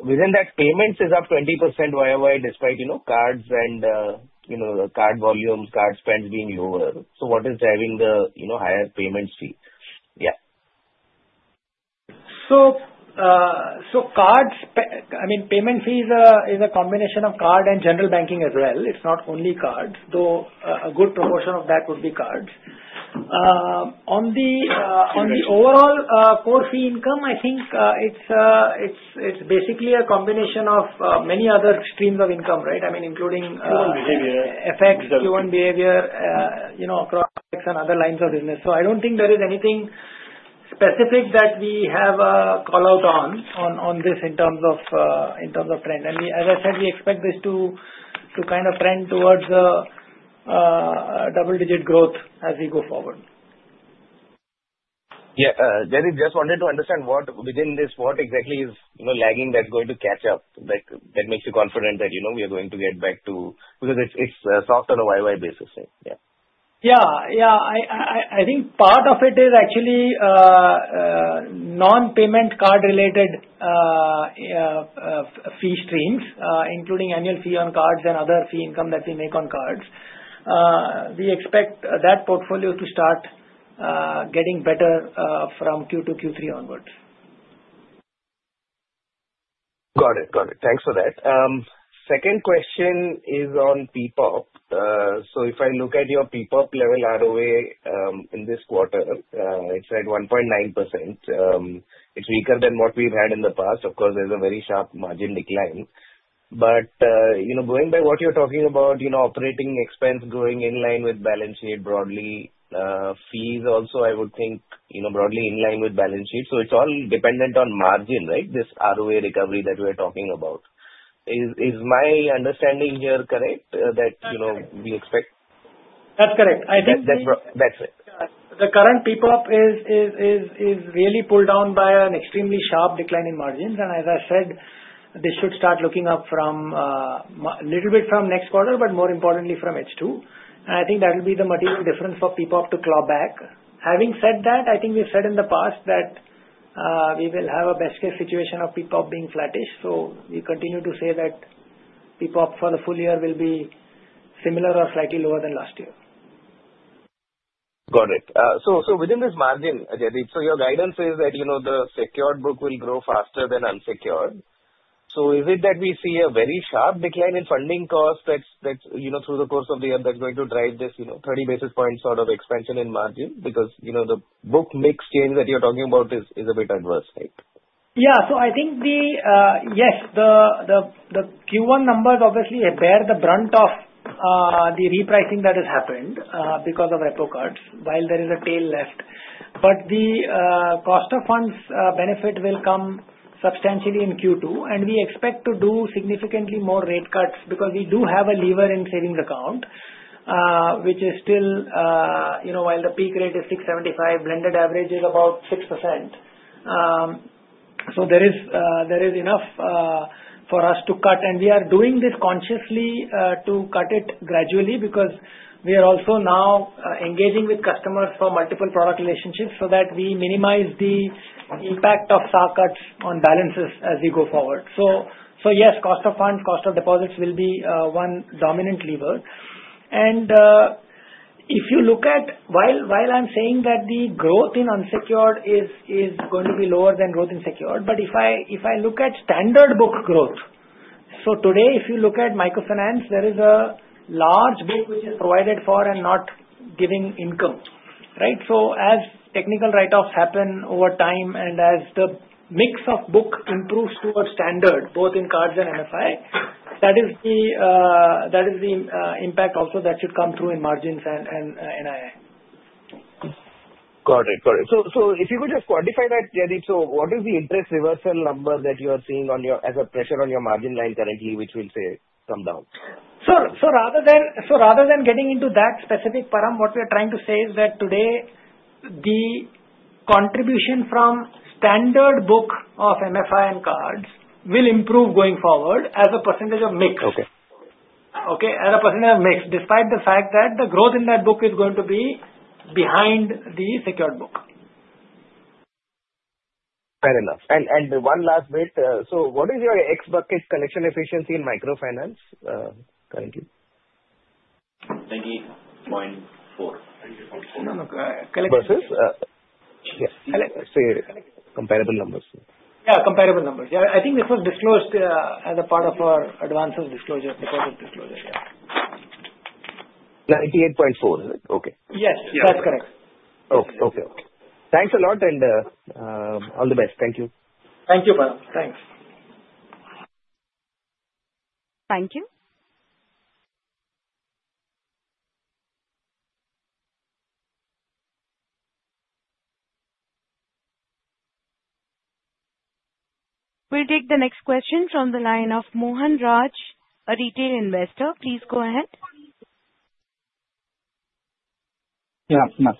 within that, payments is up 20% YoY despite cards and card volumes, card spends being lower. So what is driving the higher payments fee? Yeah. So, cards, I mean, payment fee is a combination of card and general banking as well. It's not only cards, though a good proportion of that would be cards. On the overall core fee income, I think it's basically a combination of many other streams of income, right? I mean, including. Q1 behavior. Effects, Q1 behavior, cross-sell, and other lines of business. So I don't think there is anything specific that we have a call out on this in terms of trend. And as I said, we expect this to kind of trend towards a double-digit growth as we go forward. Yeah. Jaideep, just wanted to understand what within this, what exactly is lagging that's going to catch up that makes you confident that we are going to get back to because it's soft on a YoY basis, right? Yeah. Yeah. I think part of it is actually non-payment card-related fee streams, including annual fee on cards and other fee income that we make on cards. We expect that portfolio to start getting better from Q2, Q3 onwards. Got it. Got it. Thanks for that. Second question is on PPOP. So if I look at your PPOP level ROA in this quarter, it's at 1.9%. It's weaker than what we've had in the past. Of course, there's a very sharp margin decline. But going by what you're talking about, operating expense going in line with balance sheet broadly, fees also, I would think, broadly in line with balance sheet. So it's all dependent on margin, right, this ROA recovery that we're talking about. Is my understanding here correct that we expect? That's correct. I think. That's it. The current PPOP is really pulled down by an extremely sharp decline in margins, and as I said, this should start looking up a little bit from next quarter, but more importantly, from H2, and I think that will be the material difference for PPOP to claw back. Having said that, I think we've said in the past that we will have a best-case situation of PPOP being flattish, so we continue to say that PPOP for the full year will be similar or slightly lower than last year. Got it. So within this margin, Jaideep, so your guidance is that the secured book will grow faster than unsecured. So is it that we see a very sharp decline in funding costs that's through the course of the year that's going to drive this 30 basis points sort of expansion in margin? Because the book mix change that you're talking about is a bit adverse, right? Yeah. So I think yes, the Q1 numbers obviously bear the brunt of the repricing that has happened because of repo rate cuts, while there is a tail left. But the cost of funds benefit will come substantially in Q2. We expect to do significantly more rate cuts because we do have a lever in savings account, which is still while the peak rate is 6.75, blended average is about 6%. So there is enough for us to cut. We are doing this consciously to cut it gradually because we are also now engaging with customers for multiple product relationships so that we minimize the impact of SA cuts on balances as we go forward. Yes, cost of funds, cost of deposits will be one dominant lever. If you look at, while I'm saying that the growth in unsecured is going to be lower than growth in secured, but if I look at standard book growth, so today, if you look at microfinance, there is a large book which is provided for and not giving income, right? So as technical write-offs happen over time and as the mix of book improves towards standard, both in cards and MFI, that is the impact also that should come through in margins and NII. Got it. Got it. So if you could just quantify that, Jaideep, so what is the interest reversal number that you are seeing as a pressure on your margin line currently, which will, say, come down? So rather than getting into that specific param, what we are trying to say is that today, the contribution from standard book of MFI and cards will improve going forward as a percentage of mix. Okay. Okay? As a percentage of mix, despite the fact that the growth in that book is going to be behind the secured book. Fair enough. And one last bit. So what is your ex-bucket collection efficiency in microfinance currently? 98.4. No, no. Collection. Versus comparable numbers. Yeah, comparable numbers. Yeah. I think this was disclosed as a part of our advances disclosure, deposits disclosure. Yeah. 98.4, is it? Okay. Yes. That's correct. Okay. Thanks a lot and all the best. Thank you. Thank you, Param. Thanks. Thank you. We'll take the next question from the line of Mohan Raj, a retail investor. Please go ahead. Yeah.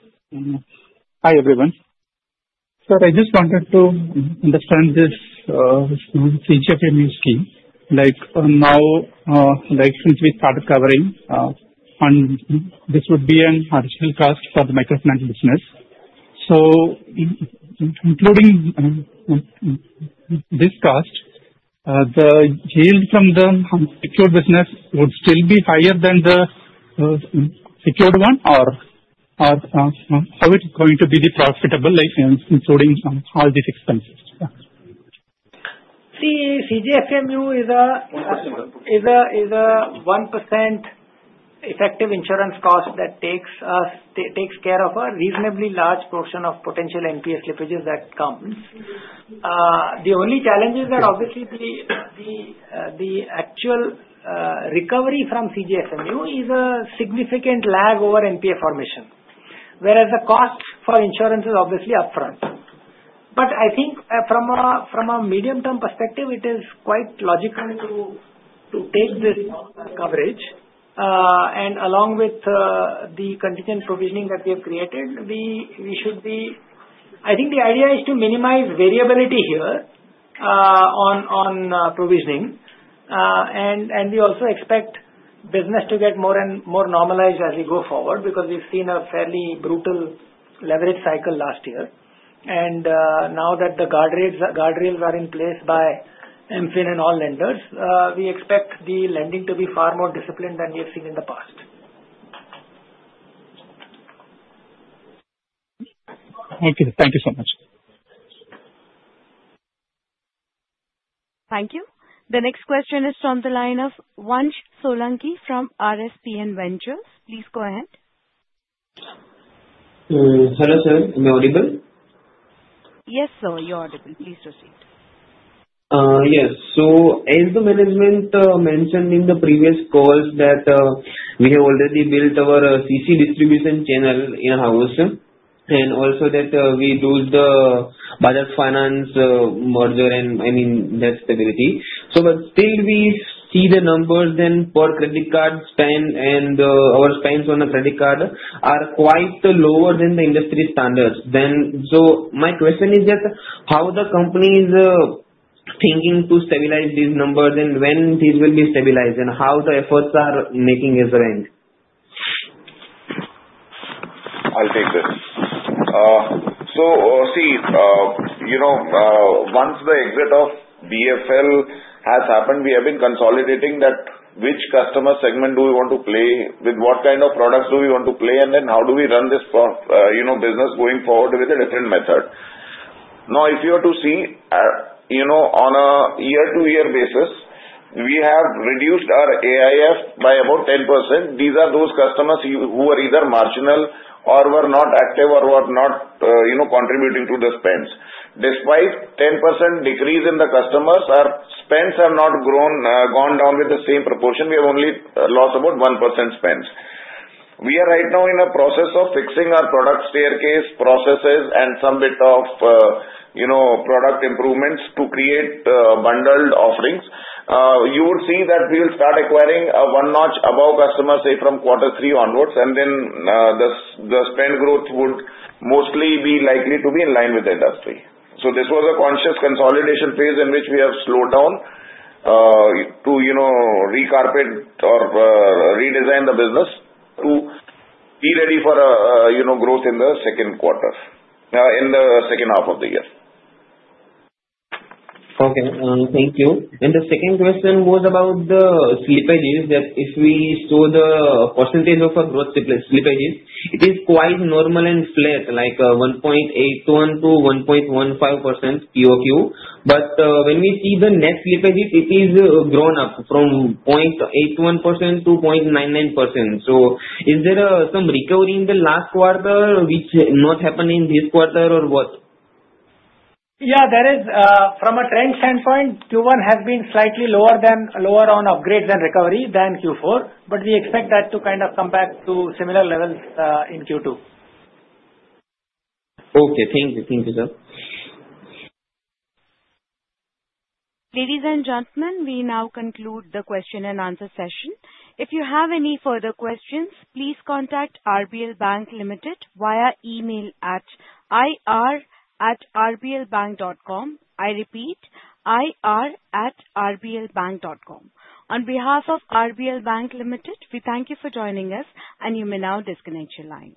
Hi, everyone. So I just wanted to understand this CGFMU scheme. Now, since we started covering, this would be an additional cost for the microfinance business. So including this cost, the yield from the secured business would still be higher than the secured one, or how it's going to be profitable, including all these expenses? See, CGFMU is a 1% effective insurance cost that takes care of a reasonably large portion of potential NPA slippages that comes. The only challenge is that obviously the actual recovery from CGFMU is a significant lag over NPA formation, whereas the cost for insurance is obviously upfront. But I think from a medium-term perspective, it is quite logical to take this coverage. And along with the contingent provisioning that we have created, we should be I think the idea is to minimize variability here on provisioning. And we also expect business to get more and more normalized as we go forward because we've seen a fairly brutal leverage cycle last year. And now that the guardrails are in place by MFIN and all lenders, we expect the lending to be far more disciplined than we have seen in the past. Okay. Thank you so much. Thank you. The next question is from the line of Vansh Solanki from RSPN Ventures. Please go ahead. Hello, sir. Am I audible? Yes, sir. You're audible. Please proceed. Yes. So as the management mentioned in the previous calls that we have already built our CC distribution channel in-house, and also that we do the Bajaj Finance merger and, I mean, that stability. So still, we see the numbers then for credit card spend and our spends on a credit card are quite lower than the industry standards. So my question is just how the company is thinking to stabilize these numbers and when these will be stabilized and how the efforts are making resonate. I'll take this. So see, once the exit of BFL has happened, we have been consolidating that which customer segment do we want to play with, what kind of products do we want to play, and then how do we run this business going forward with a different method. Now, if you were to see on a year-to-year basis, we have reduced our AIF by about 10%. These are those customers who were either marginal or were not active or were not contributing to the spends. Despite 10% decrease in the customers, our spends have not gone down with the same proportion. We have only lost about 1% spends. We are right now in a process of fixing our product staircase processes and some bit of product improvements to create bundled offerings. You would see that we will start acquiring a one notch above customer, say, from quarter three onwards, and then the spend growth would mostly be likely to be in line with the industry, so this was a conscious consolidation phase in which we have slowed down to recalibrate or redesign the business to be ready for growth in the second quarter, in the second half of the year. Okay. Thank you. And the second question was about the slippages that if we show the percentage of our growth slippages, it is quite normal and flat, like 1.81%-1.15% QoQ. But when we see the net slippage, it is grown up from 0.81%-0.99%. So is there some recovery in the last quarter, which not happened in this quarter, or what? Yeah. From a trend standpoint, Q1 has been slightly lower on upgrades and recovery than Q4, but we expect that to kind of come back to similar levels in Q2. Okay. Thank you. Thank you, sir. Ladies and gentlemen, we now conclude the question and answer session. If you have any further questions, please contact RBL Bank Limited via email at ir@rblbank.com. I repeat, ir@rblbank.com. On behalf of RBL Bank Limited, we thank you for joining us, and you may now disconnect your line.